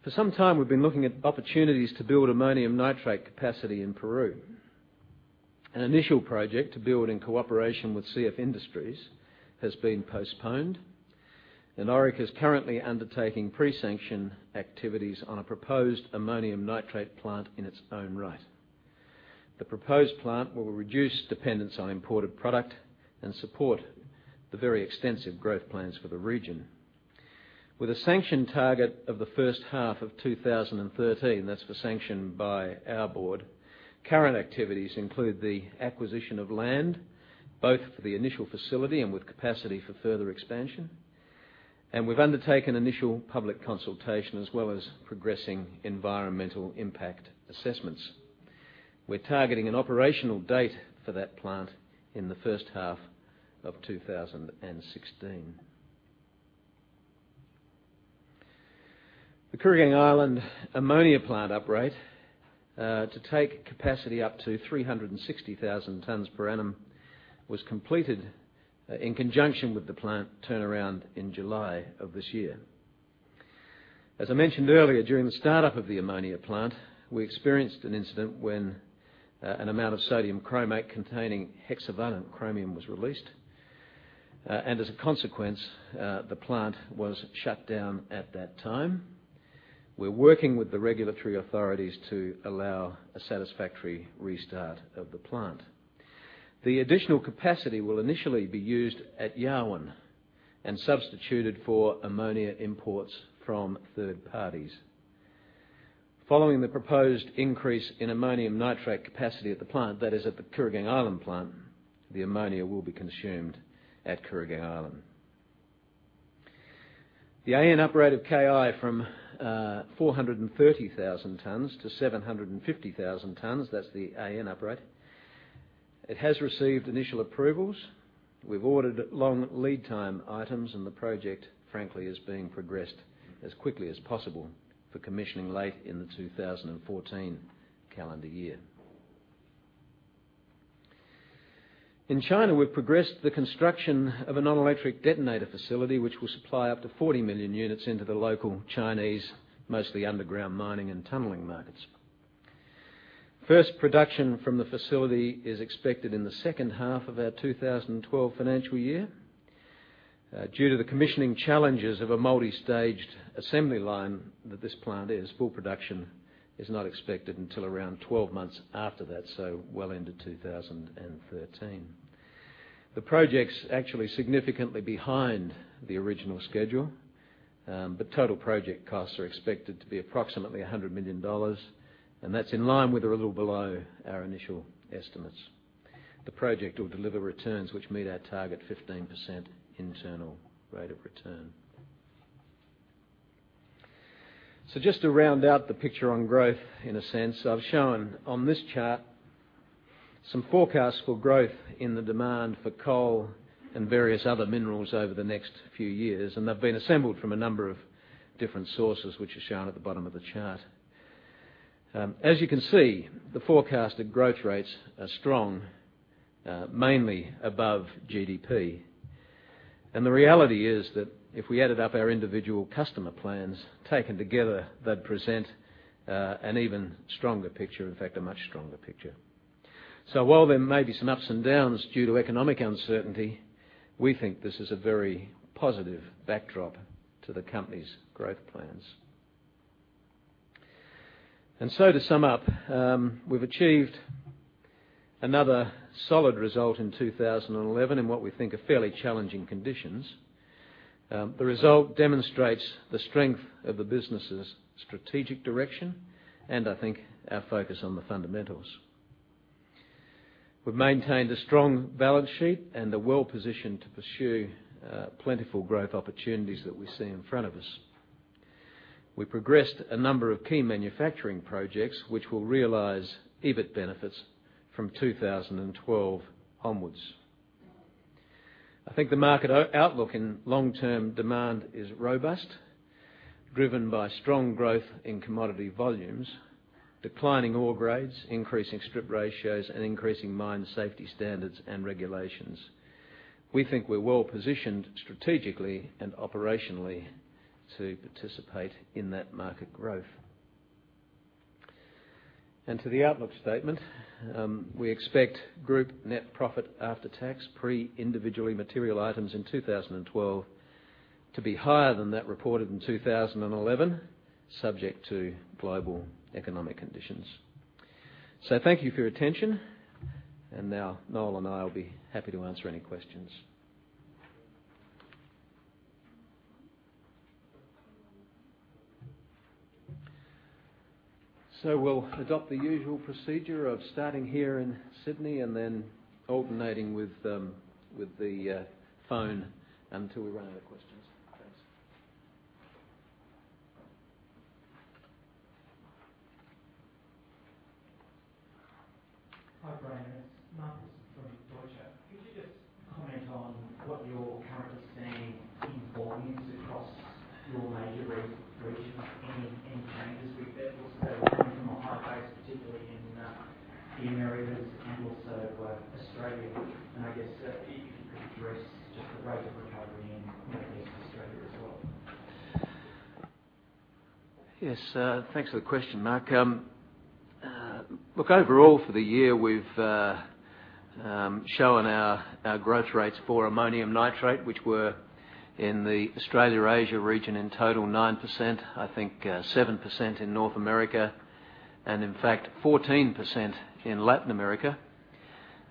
For some time, we've been looking at opportunities to build ammonium nitrate capacity in Peru. An initial project to build in cooperation with CF Industries has been postponed. Orica's currently undertaking pre-sanction activities on a proposed ammonium nitrate plant in its own right. The proposed plant will reduce dependence on imported product and support the very extensive growth plans for the region. With a sanction target of the first half of 2013, that's for sanction by our board, current activities include the acquisition of land, both for the initial facility and with capacity for further expansion. We've undertaken initial public consultation as well as progressing environmental impact assessments. We're targeting an operational date for that plant in the first half of 2016. The Kooragang Island ammonia plant uprate to take capacity up to 360,000 tonnes per annum was completed in conjunction with the plant turnaround in July of this year. As I mentioned earlier, during the start-up of the ammonia plant, we experienced an incident when an amount of sodium chromate containing hexavalent chromium was released. As a consequence, the plant was shut down at that time. We're working with the regulatory authorities to allow a satisfactory restart of the plant. The additional capacity will initially be used at Yarwun and substituted for ammonia imports from third parties. Following the proposed increase in ammonium nitrate capacity at the plant, that is at the Kooragang Island plant, the ammonia will be consumed at Kooragang Island. The AN uprate of KI from 430,000 tonnes to 750,000 tonnes, that's the AN uprate. It has received initial approvals. We've ordered long lead time items, and the project, frankly, is being progressed as quickly as possible for commissioning late in the 2014 calendar year. In China, we've progressed the construction of a non-electric detonator facility which will supply up to 40 million units into the local Chinese, mostly underground mining and tunneling markets. First production from the facility is expected in the second half of our 2012 financial year. Due to the commissioning challenges of a multi-staged assembly line that this plant is, full production is not expected until around 12 months after that, so well into 2013. The project's actually significantly behind the original schedule, but total project costs are expected to be approximately 100 million dollars, and that's in line with or a little below our initial estimates. The project will deliver returns which meet our target 15% internal rate of return. Just to round out the picture on growth in a sense, I've shown on this chart some forecasts for growth in the demand for coal and various other minerals over the next few years, and they've been assembled from a number of different sources, which are shown at the bottom of the chart. As you can see, the forecasted growth rates are strong, mainly above GDP. The reality is that if we added up our individual customer plans, taken together, they'd present an even stronger picture. In fact, a much stronger picture. While there may be some ups and downs due to economic uncertainty, we think this is a very positive backdrop to the company's growth plans. To sum up, we've achieved another solid result in 2011 in what we think are fairly challenging conditions. The result demonstrates the strength of the business's strategic direction and I think our focus on the fundamentals. We've maintained a strong balance sheet and are well-positioned to pursue plentiful growth opportunities that we see in front of us. We progressed a number of key manufacturing projects which will realize EBIT benefits from 2012 onwards. The market outlook and long-term demand is robust, driven by strong growth in commodity volumes, declining ore grades, increasing strip ratios, and increasing mine safety standards and regulations. We think we're well positioned strategically and operationally to participate in that market growth. To the outlook statement, we expect group net profit after tax, pre-individually material items in 2012 to be higher than that reported in 2011, subject to global economic conditions. Thank you for your attention, and now Noel and I will be happy to answer any questions. We'll adopt the usual procedure of starting here in Sydney and then alternating with the phone until we run out of questions. Thanks. Hi, Brian. It's Mark from Deutsche. Could you just comment on what you're currently seeing in volumes across your major regions? Any changes with that? Also coming from a high base, particularly in the Americas and also Australia. I guess if you could address just the rate of recovery in Northeast Australia as well. Yes, thanks for the question, Mark. Look, overall for the year, we've shown our growth rates for ammonium nitrate, which were in the Australia-Asia region in total, 9%. I think 7% in North America, in fact 14% in Latin America.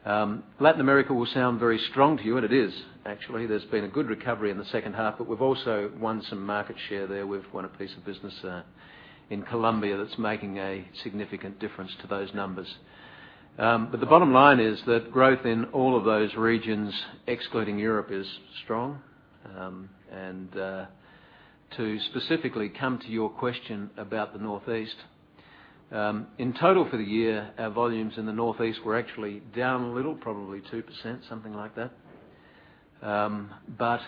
Latin America will sound very strong to you, and it is actually. There's been a good recovery in the second half, but we've also won some market share there. We've won a piece of business in Colombia that's making a significant difference to those numbers. The bottom line is that growth in all of those regions, excluding Europe, is strong. To specifically come to your question about the Northeast. In total for the year, our volumes in the Northeast were actually down a little, probably 2%, something like that. The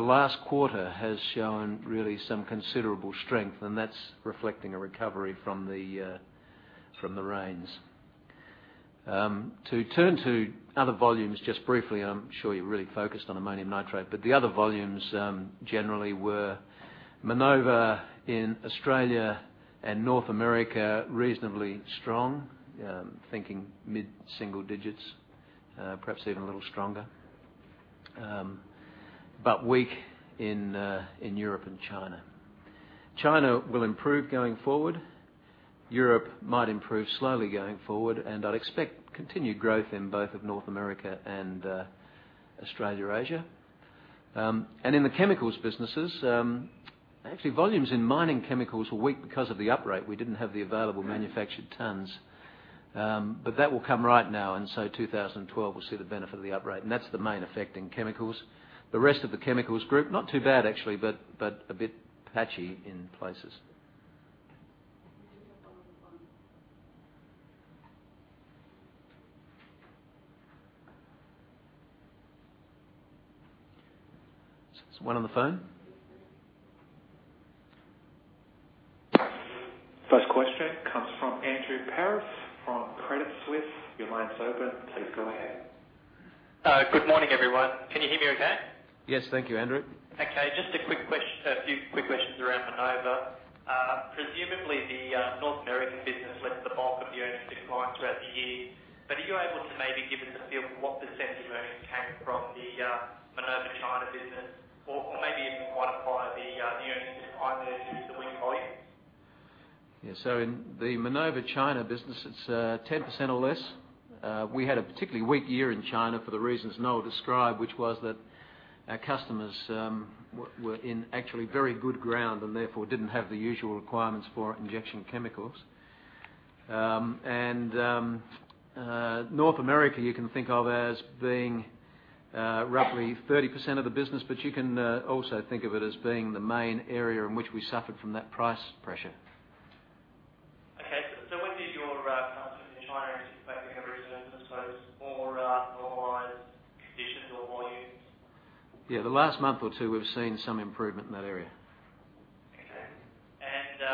last quarter has shown really some considerable strength, and that's reflecting a recovery from the rains. To turn to other volumes just briefly, I'm sure you're really focused on ammonium nitrate, but the other volumes, generally were Minova in Australia and North America, reasonably strong. Thinking mid-single digits, perhaps even a little stronger. Weak in Europe and China. China will improve going forward. Europe might improve slowly going forward, and I'd expect continued growth in both of North America and Australia-Asia. In the chemicals businesses, actually, volumes in mining chemicals were weak because of the outage. We didn't have the available manufactured tons. That will come right now, so 2012 will see the benefit of the outage. That's the main effect in chemicals. The rest of the chemicals group, not too bad, actually, but a bit patchy in places. We do have one on the phone. One on the phone? First question comes from Andrew Peros from Credit Suisse. Your line's open. Please go ahead. Good morning, everyone. Can you hear me okay? Yes. Thank you, Andrew. Just a few quick questions around Minova. Presumably the North American business was the bulk of the earnings decline throughout the year. Are you able to maybe give us a feel for what % of earnings came from the Minova China business? Maybe even quantify the earnings decline there due to weak volumes? In the Minova China business, it's 10% or less. We had a particularly weak year in China for the reasons Noel described, which was that our customers were in actually very good ground and therefore didn't have the usual requirements for injection chemicals. North America you can think of as being roughly 30% of the business, you can also think of it as being the main area in which we suffered from that price pressure. China is expecting a resurgence. More normalized conditions or volumes? The last month or two, we've seen some improvement in that area. Okay.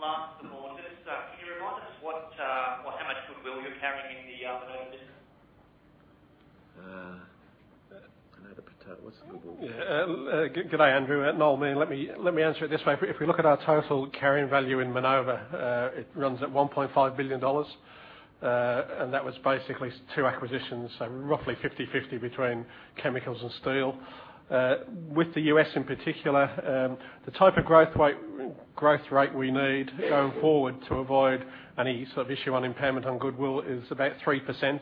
Last but not least, can you remind us how much goodwill you're carrying in the business? I know the potential. What's the goodwill? Yeah. Good day, Andrew. Noel, mate, let me answer it this way. If we look at our total carrying value in Minova, it runs at 1.5 billion dollars. That was basically two acquisitions, so roughly 50/50 between chemicals and steel. With the U.S. in particular, the type of growth rate we need going forward to avoid any sort of issue on impairment on goodwill is about 3%,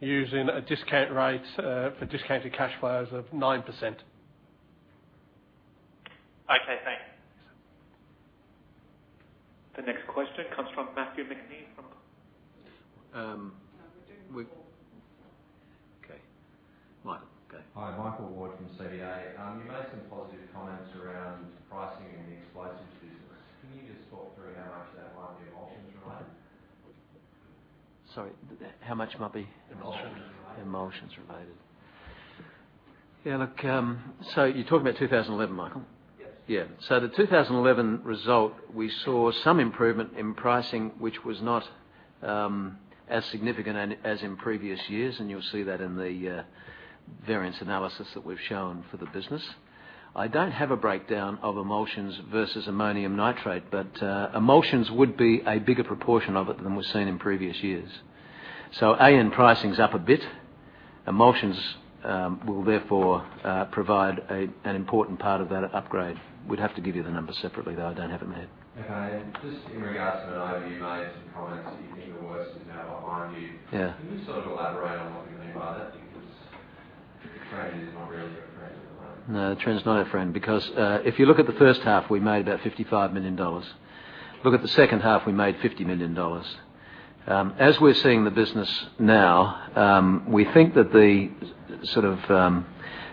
using a discount rate for discounted cash flows of 9%. Okay, thanks. The next question comes from Matthew McNee. We- No, we're doing Paul. Okay. Michael, go. Hi, Michael Ward from CBA. You made some positive comments around pricing in the explosives business. Can you just talk through how much that might be emulsions related? Sorry, how much? Emulsions related. Emulsions related. Yeah, look, you're talking about 2011, Michael? Yes. Yeah. The 2011 result, we saw some improvement in pricing, which was not as significant as in previous years, and you'll see that in the variance analysis that we've shown for the business. I don't have a breakdown of emulsions versus ammonium nitrate, but emulsions would be a bigger proportion of it than was seen in previous years. AN pricing's up a bit. Emulsions will therefore provide an important part of that upgrade. We'd have to give you the numbers separately, though. I don't have them here. Okay. Just in regards to an overview, you made some comments that you think the worst is now behind you. Yeah. Can you just sort of elaborate on what you mean by that? The trend is not really your friend at the moment. No, the trend is not our friend, if you look at the first half, we made about 55 million dollars. Look at the second half, we made 50 million dollars. As we're seeing the business now, we think that the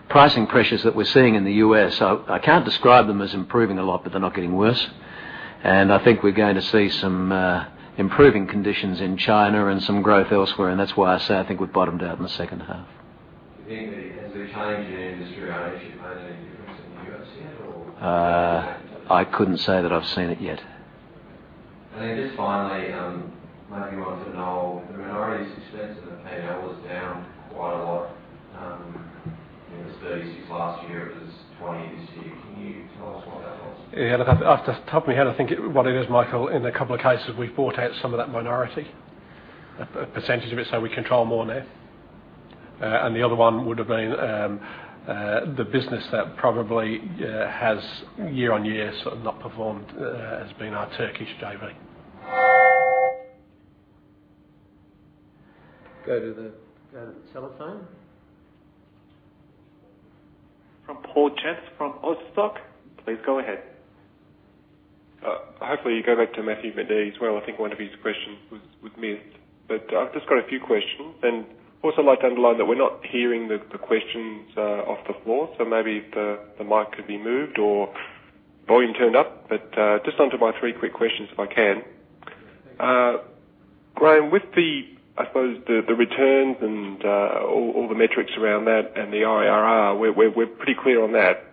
pricing pressures that we're seeing in the U.S., I can't describe them as improving a lot, but they're not getting worse. I think we're going to see some improving conditions in China and some growth elsewhere, and that's why I say I think we've bottomed out in the second half. Do you think has the change in industry ownership made any difference in the U.S. yet? I couldn't say that I've seen it yet. Just finally, maybe one to Noel. The minority's expense in the P&L was down quite a lot. It was AUD 36 last year. It was AUD 20 this year. Can you tell us why that was? Off the top of my head, I think what it is, Michael, in a couple of cases, we bought out some of that minority, a percentage of it, so we control more now. The other one would've been the business that probably has year on year, sort of not performed, has been our Turkish JV. Go to the telephone. From Paul Chance from Austock. Hopefully, you go back to Matthew McNee as well. I think one of his questions was missed. I've just got a few questions. Also I'd like to underline that we're not hearing the questions off the floor. Maybe if the mic could be moved or volume turned up. Just onto my three quick questions, if I can. Graeme, with the returns and all the metrics around that and the IRR, we're pretty clear on that.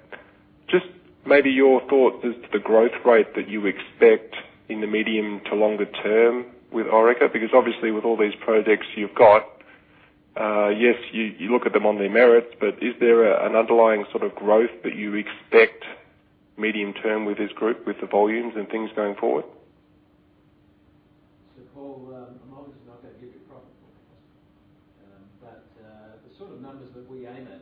Just maybe your thoughts as to the growth rate that you expect in the medium to longer term with Orica, because obviously with all these projects you've got, yes, you look at them on their merits, but is there an underlying sort of growth that you expect medium-term with this group, with the volumes and things going forward? Paul, I'm obviously not going to give you a profit forecast. The sort of numbers that we aim at,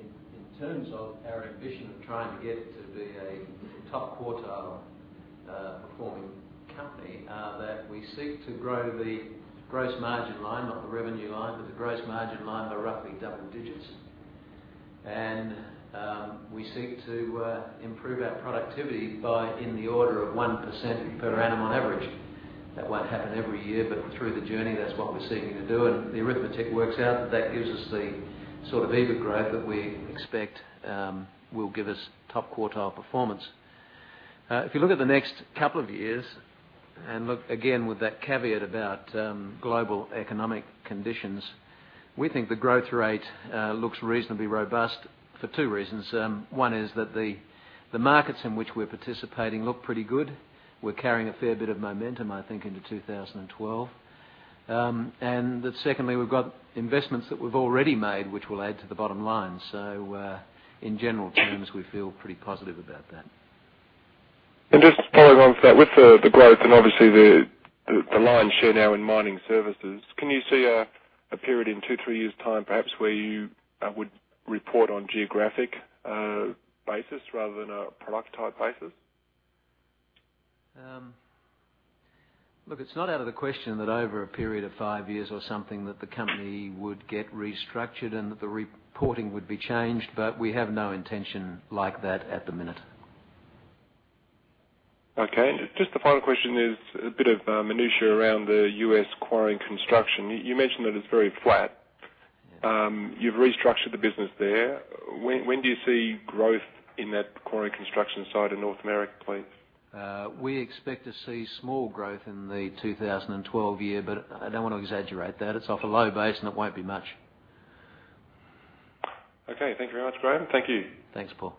in terms of our ambition of trying to get to be a top quartile performing company, are that we seek to grow the gross margin line, not the revenue line, but the gross margin line by roughly double digits. We seek to improve our productivity by in the order of 1% per annum on average. That won't happen every year, but through the journey, that's what we're seeking to do. The arithmetic works out that that gives us the sort of EBIT growth that we expect will give us top quartile performance. If you look at the next couple of years and look, again, with that caveat about global economic conditions, we think the growth rate looks reasonably robust for two reasons. One is that the markets in which we're participating look pretty good. We're carrying a fair bit of momentum, I think, into 2012. That secondly, we've got investments that we've already made, which will add to the bottom line. In general terms, we feel pretty positive about that. Just to follow on from that, with the growth and obviously the lion's share now in mining services, can you see a period in two, three years' time, perhaps, where you would report on geographic basis rather than a product type basis? Look, it's not out of the question that over a period of five years or something that the company would get restructured and that the reporting would be changed, but we have no intention like that at the minute. Okay. Just the final question is a bit of minutia around the U.S. quarrying construction. You mentioned that it's very flat. You've restructured the business there. When do you see growth in that quarry construction site in North America, please? We expect to see small growth in the 2012 year, but I don't want to exaggerate that. It's off a low base, and it won't be much. Okay. Thank you very much, Graeme. Thank you. Thanks, Paul.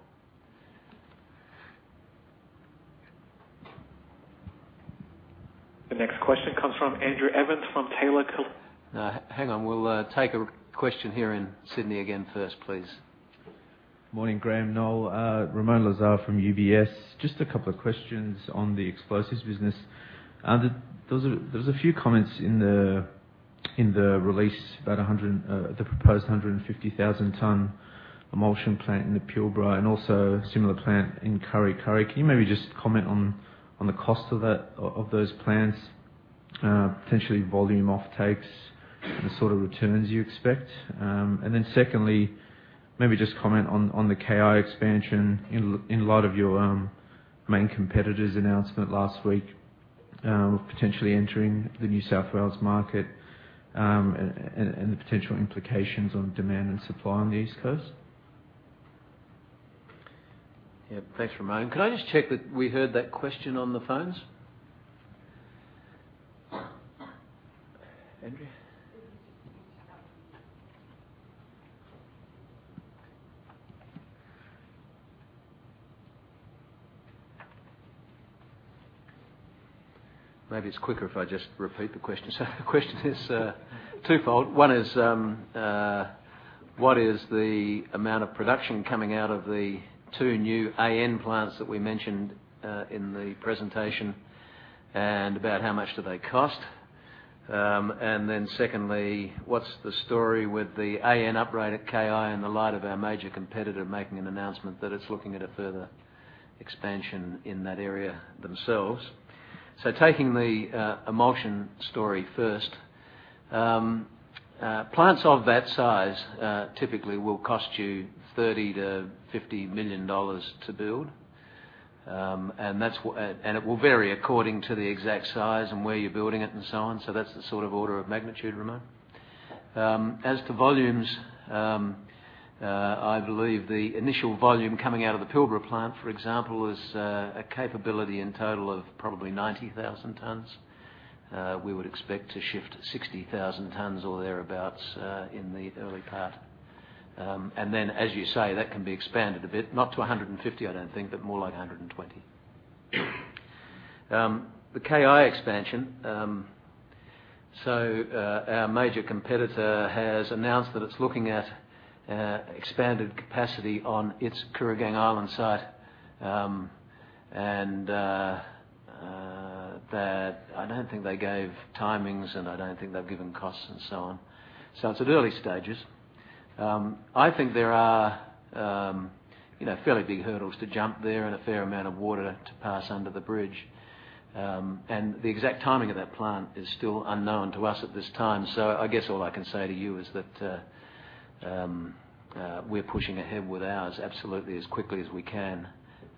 The next question comes from Andrew Evans from Taylor- No. Hang on. We'll take a question here in Sydney again first, please. Morning, Graeme, Noel. Ramoun Lazar from UBS. Just a couple of questions on the explosives business. There was a few comments in the release about the proposed 150,000 ton emulsion plant in the Pilbara and also a similar plant in Kurri Kurri. Can you maybe just comment on the cost of those plants, potentially volume off takes, and the sort of returns you expect? Secondly, maybe just comment on the KI expansion in light of your main competitor's announcement last week, potentially entering the New South Wales market, and the potential implications on demand and supply on the East Coast. Yeah. Thanks, Ramoun. Can I just check that we heard that question on the phones? Andrew? Maybe it is quicker if I just repeat the question. The question is twofold. One is, what is the amount of production coming out of the two new AN plants that we mentioned, in the presentation, and about how much do they cost? Secondly, what is the story with the AN upright at KI in the light of our major competitor making an announcement that it is looking at a further expansion in that area themselves. Taking the emulsion story first. Plants of that size, typically will cost you 30 million-50 million dollars to build. It will vary according to the exact size and where you are building it and so on. That is the sort of order of magnitude, Ramoun. As to volumes, I believe the initial volume coming out of the Pilbara plant, for example, is a capability in total of probably 90,000 tons. We would expect to shift 60,000 tons or thereabouts, in the early part. As you say, that can be expanded a bit, not to 150, I don't think, but more like 120. The KI expansion, our major competitor has announced that it is looking at expanded capacity on its Kooragang Island site. I don't think they gave timings, and I don't think they have given costs and so on. It is at early stages. I think there are fairly big hurdles to jump there and a fair amount of water to pass under the bridge. The exact timing of that plant is still unknown to us at this time. I guess all I can say to you is that we are pushing ahead with ours absolutely as quickly as we can.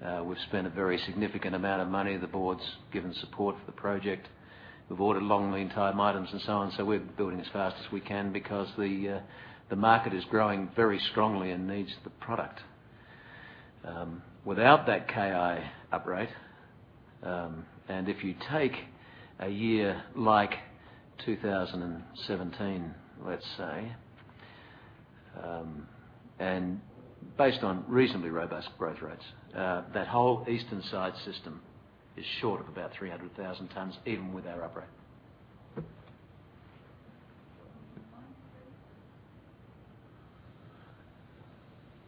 We have spent a very significant amount of money. The board has given support for the project. We have ordered long lead time items and so on. We are building as fast as we can because the market is growing very strongly and needs the product. Without that KI upright, if you take a year like 2017, let's say, based on reasonably robust growth rates, that whole eastern side system is short of about 300,000 tons, even with our upright.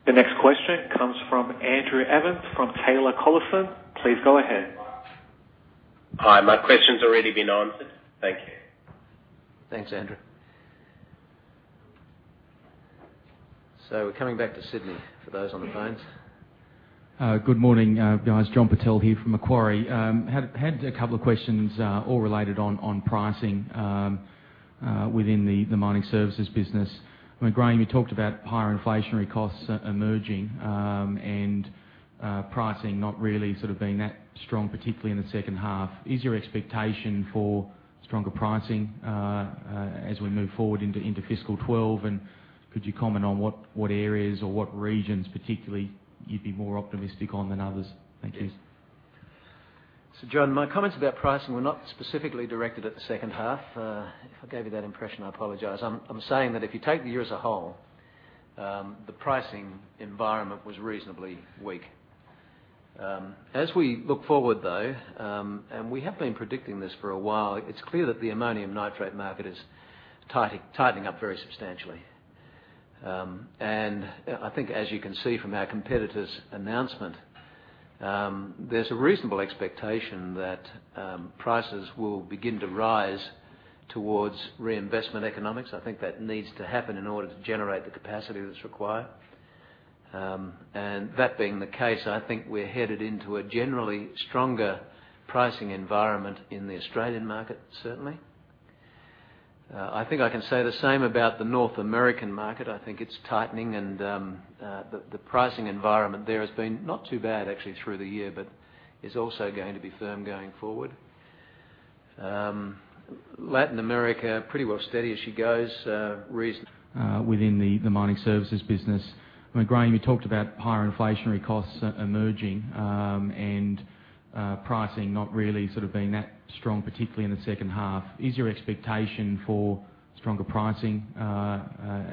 The next question comes from Andrew Evans from Taylor Collison. Please go ahead. Hi. My question's already been answered. Thank you. Thanks, Andrew. We're coming back to Sydney for those on the phones. Good morning, guys. John Purtell here from Macquarie. Had a couple of questions, all related on pricing within the mining services business. Graeme, you talked about higher inflationary costs emerging, and pricing not really sort of being that strong, particularly in the second half. Is your expectation for stronger pricing as we move forward into FY 2012? Could you comment on what areas or what regions particularly you'd be more optimistic on than others? Thank you. John, my comments about pricing were not specifically directed at the second half. If I gave you that impression, I apologize. I'm saying that if you take the year as a whole, the pricing environment was reasonably weak. As we look forward, though, we have been predicting this for a while, it's clear that the ammonium nitrate market is tightening up very substantially. I think as you can see from our competitor's announcement, there's a reasonable expectation that prices will begin to rise towards reinvestment economics. I think that needs to happen in order to generate the capacity that's required. That being the case, I think we're headed into a generally stronger pricing environment in the Australian market, certainly. I think I can say the same about the North American market. I think it's tightening and the pricing environment there has been not too bad actually through the year, but is also going to be firm going forward. Latin America, pretty well steady as she goes. Within the mining services business. Graeme, you talked about higher inflationary costs emerging, and pricing not really sort of being that strong, particularly in the second half. Is your expectation for stronger pricing,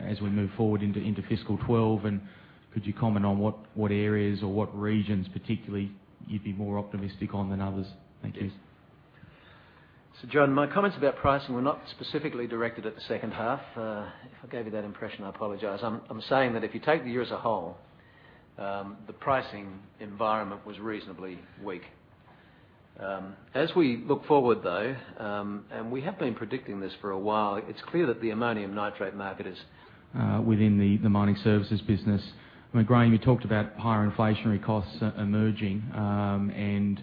as we move forward into fiscal 2012? Could you comment on what areas or what regions particularly you'd be more optimistic on than others? Thank you. John, my comments about pricing were not specifically directed at the second half. If I gave you that impression, I apologize. I'm saying that if you take the year as a whole, the pricing environment was reasonably weak. We look forward, though, and we have been predicting this for a while. Within the mining services business. Graeme, you talked about higher inflationary costs emerging, and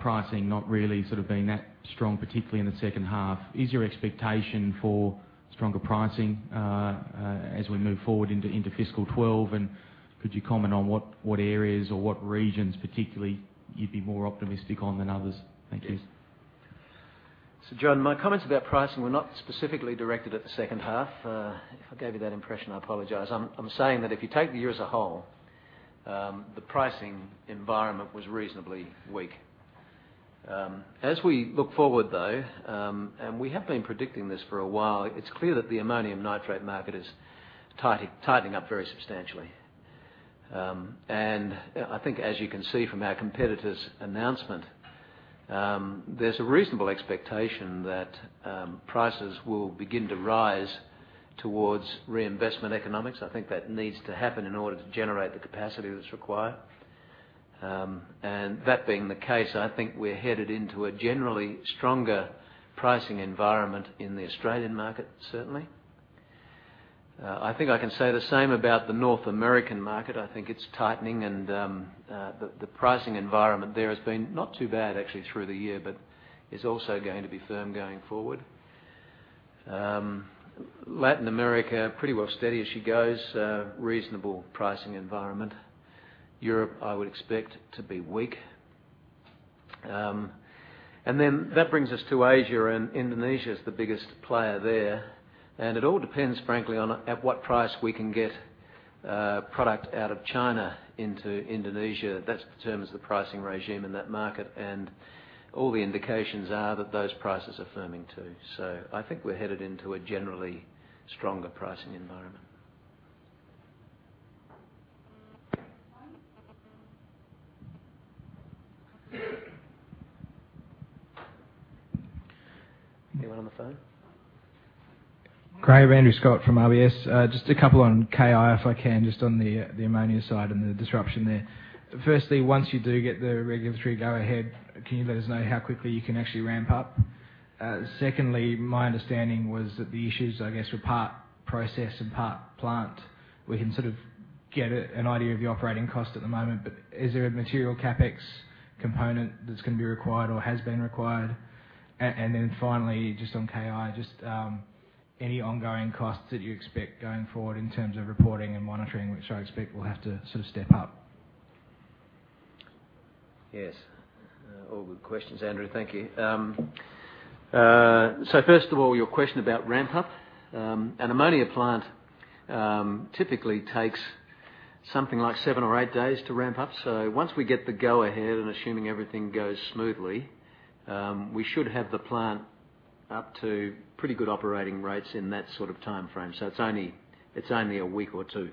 pricing not really sort of being that strong, particularly in the second half. Is your expectation for stronger pricing, as we move forward into fiscal 2012? Could you comment on what areas or what regions particularly you'd be more optimistic on than others? Thank you. John, my comments about pricing were not specifically directed at the second half. If I gave you that impression, I apologize. I'm saying that if you take the year as a whole, the pricing environment was reasonably weak. As we look forward, though, we have been predicting this for a while, it's clear that the ammonium nitrate market is tightening up very substantially. I think as you can see from our competitor's announcement, there's a reasonable expectation that prices will begin to rise towards reinvestment economics. I think that needs to happen in order to generate the capacity that's required. That being the case, I think we're headed into a generally stronger pricing environment in the Australian market, certainly. I think I can say the same about the North American market. I think it's tightening and the pricing environment there has been not too bad actually through the year, but is also going to be firm going forward. Latin America, pretty well steady as she goes, reasonable pricing environment. Europe, I would expect to be weak. That brings us to Asia, and Indonesia's the biggest player there. It all depends, frankly, on at what price we can get product out of China into Indonesia. That determines the pricing regime in that market, and all the indications are that those prices are firming too. I think we're headed into a generally stronger pricing environment. Anyone on the phone? Graeme, Andrew Scott from RBS. Just a couple on KI, if I can, just on the ammonia side and the disruption there. Firstly, once you do get the regulatory go-ahead, can you let us know how quickly you can actually ramp up? Secondly, my understanding was that the issues, I guess, were part process and part plant. We can sort of get an idea of the operating cost at the moment, but is there a material CapEx component that's going to be required or has been required? Finally, just on KI, just any ongoing costs that you expect going forward in terms of reporting and monitoring, which I expect will have to sort of step up. Yes. All good questions, Andrew. Thank you. First of all, your question about ramp-up. An ammonia plant typically takes something like seven or eight days to ramp up. Once we get the go-ahead and assuming everything goes smoothly, we should have the plant up to pretty good operating rates in that sort of timeframe. It's only a week or two.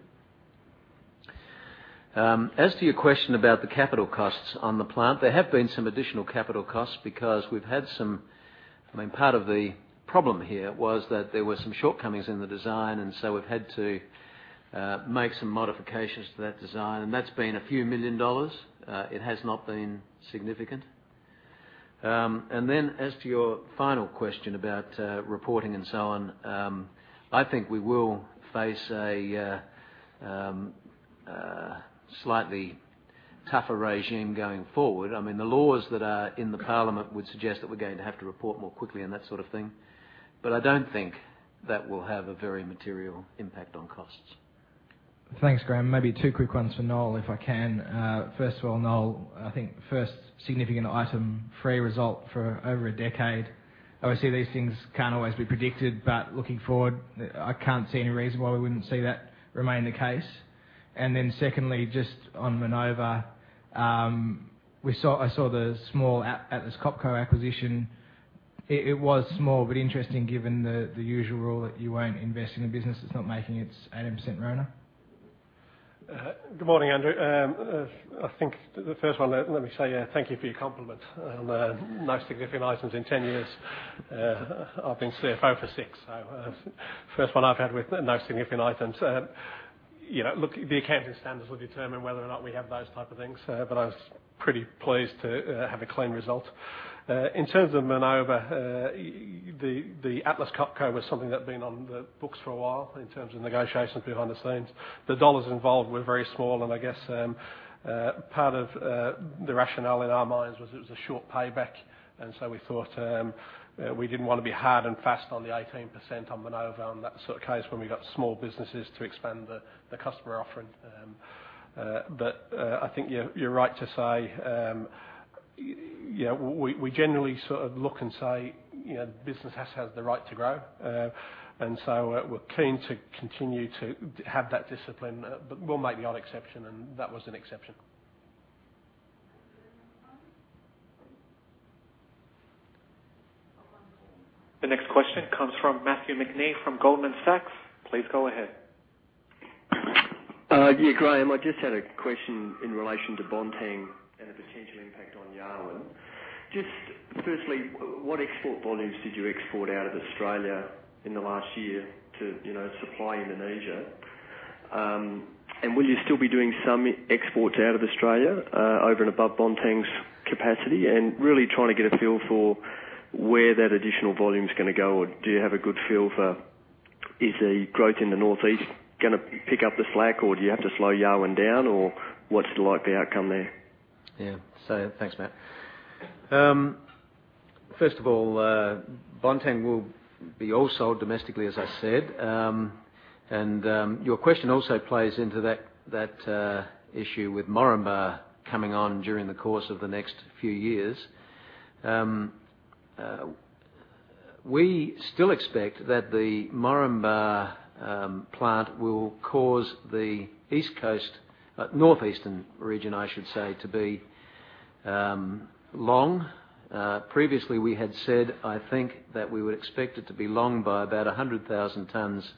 As to your question about the capital costs on the plant, there have been some additional capital costs because Part of the problem here was that there were some shortcomings in the design, and so we've had to make some modifications to that design, and that's been a few million AUD. It has not been significant. As to your final question about reporting and so on, I think we will face a slightly tougher regime going forward. The laws that are in the parliament would suggest that we're going to have to report more quickly and that sort of thing. I don't think that will have a very material impact on costs. Thanks, Graeme. Maybe two quick ones for Noel, if I can. First of all, Noel, I think first significant item-free result for over a decade. Obviously, these things can't always be predicted, looking forward, I can't see any reason why we wouldn't see that remain the case. Secondly, just on Minova, I saw the small Atlas Copco acquisition. It was small, but interesting given the usual rule that you won't invest in a business that's not making its 18% return. Good morning, Andrew. I think the first one, let me say thank you for your compliment on no significant items in 10 years. I've been CFO for six, first one I've had with no significant items. Look, the accounting standards will determine whether or not we have those type of things, I was pretty pleased to have a clean result. In terms of Minova, the Atlas Copco was something that had been on the books for a while in terms of negotiations behind the scenes. The dollars involved were very small, I guess part of the rationale in our minds was it was a short payback, we thought we didn't want to be hard and fast on the 18% on Minova on that sort of case when we got small businesses to expand the customer offering. I think you're right to say, we generally sort of look and say, business has the right to grow. We're keen to continue to have that discipline, we'll make the odd exception, and that was an exception. Is there any more questions? Oh, one more. The next question comes from Matthew McNee from Goldman Sachs. Please go ahead. Yeah, Graeme, I just had a question in relation to Bontang and the potential impact on Yarwun. Firstly, what export volumes did you export out of Australia in the last year to supply Indonesia? Will you still be doing some exports out of Australia, over and above Bontang's capacity? Really trying to get a feel for where that additional volume's going to go, or do you have a good feel for, is the growth in the Northeast going to pick up the slack, or do you have to slow Yarwun down, or what's the likely outcome there? Yeah. Thanks, Matt. First of all, Bontang will be all sold domestically, as I said. Your question also plays into that issue with Moranbah coming on during the course of the next few years. We still expect that the Moranbah plant will cause the East Coast, Northeastern region, I should say, to be long. Previously we had said, I think, that we would expect it to be long by about 100,000 tons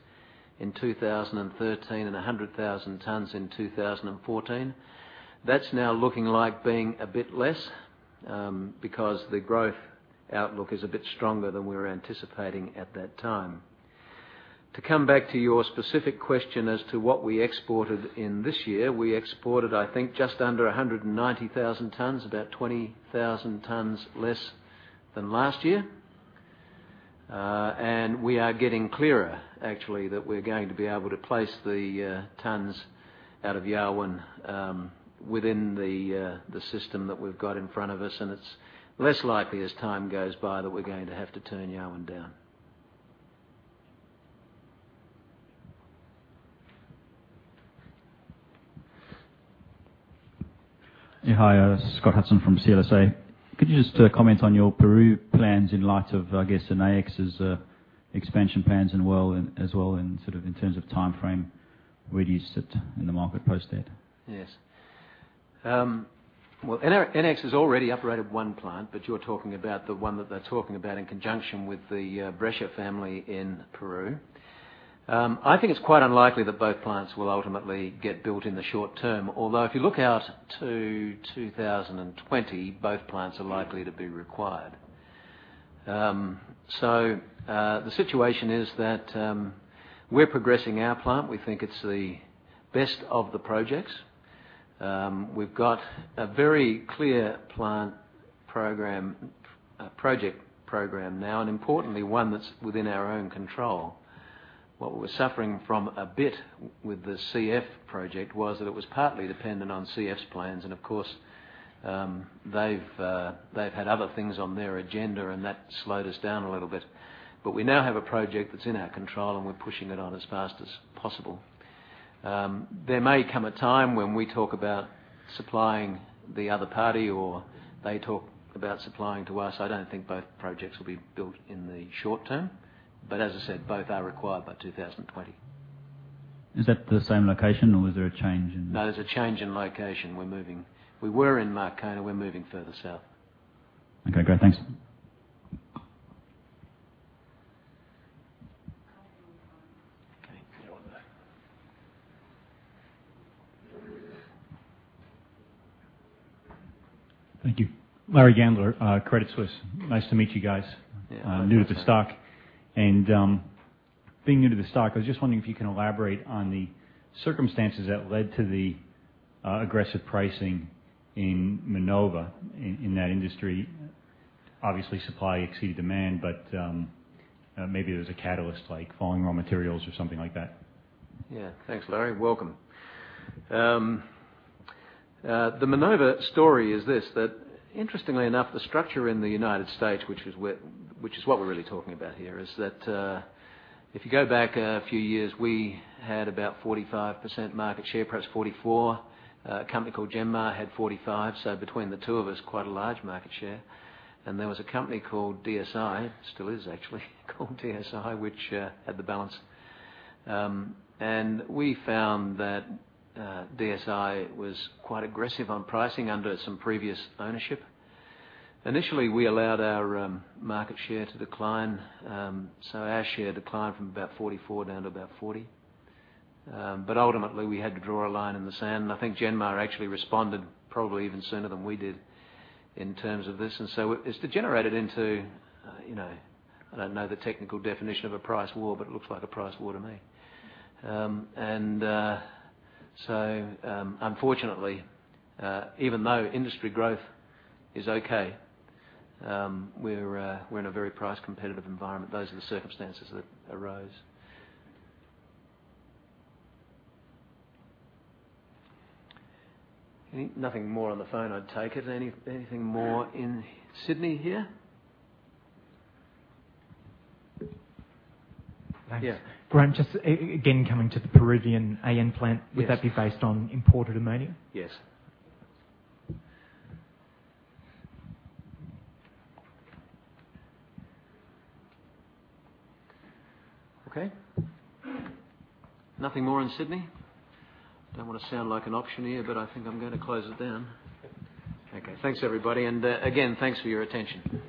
in 2013 and 100,000 tons in 2014. That's now looking like being a bit less, because the growth outlook is a bit stronger than we were anticipating at that time. To come back to your specific question as to what we exported in this year, we exported, I think, just under 190,000 tons, about 20,000 tons less than last year. We are getting clearer, actually, that we're going to be able to place the tons out of Yarwun within the system that we've got in front of us, it's less likely as time goes by that we're going to have to turn Yarwun down. Hi. Scott Hudson from CLSA. Could you just comment on your Peru plans in light of, I guess, Enaex's expansion plans as well, in terms of timeframe, where do you sit in the market post that? Yes. Well, Enaex has already operated one plant, but you're talking about the one that they're talking about in conjunction with the Brescia family in Peru. I think it's quite unlikely that both plants will ultimately get built in the short term, although if you look out to 2020, both plants are likely to be required. The situation is that we're progressing our plant. We think it's the best of the projects. We've got a very clear plant project program now, and importantly, one that's within our own control. What we're suffering from a bit with the CF project was that it was partly dependent on CF's plans, and of course, they've had other things on their agenda, and that slowed us down a little bit. We now have a project that's in our control, and we're pushing it on as fast as possible. There may come a time when we talk about supplying the other party, or they talk about supplying to us. I don't think both projects will be built in the short term, as I said, both are required by 2020. Is that the same location, or was there a change in- No, there's a change in location. We're moving. We were in Marcona, we're moving further south. Okay, great. Thanks. Okay. Yeah, one there. Thank you. Larry Gandler, Credit Suisse. Nice to meet you guys. Yeah. New to the stock. Being new to the stock, I was just wondering if you can elaborate on the circumstances that led to the aggressive pricing in Minova, in that industry. Obviously, supply exceeded demand, but maybe there was a catalyst like falling raw materials or something like that. Thanks, Larry. Welcome. The Minova story is this, that interestingly enough, the structure in the U.S., which is what we're really talking about here, is that, if you go back a few years, we had about 45% market share, perhaps 44. A company called Jennmar had 45. Between the two of us, quite a large market share. There was a company called DSI, still is actually called DSI, which had the balance. We found that DSI was quite aggressive on pricing under some previous ownership. Initially, we allowed our market share to decline. Our share declined from about 44 down to about 40. Ultimately, we had to draw a line in the sand, and I think Jennmar actually responded probably even sooner than we did in terms of this. It's degenerated into, I don't know the technical definition of a price war, but it looks like a price war to me. Unfortunately, even though industry growth is okay, we're in a very price-competitive environment. Those are the circumstances that arose. Nothing more on the phone, I'd take it. Anything more in Sydney here? Thanks. Graeme, just, again, coming to the Peruvian AN plant- Yes. Would that be based on imported ammonia? Yes. Okay. Nothing more in Sydney? Don't want to sound like an auctioneer, but I think I'm going to close it down. Okay. Thanks, everybody. Again, thanks for your attention.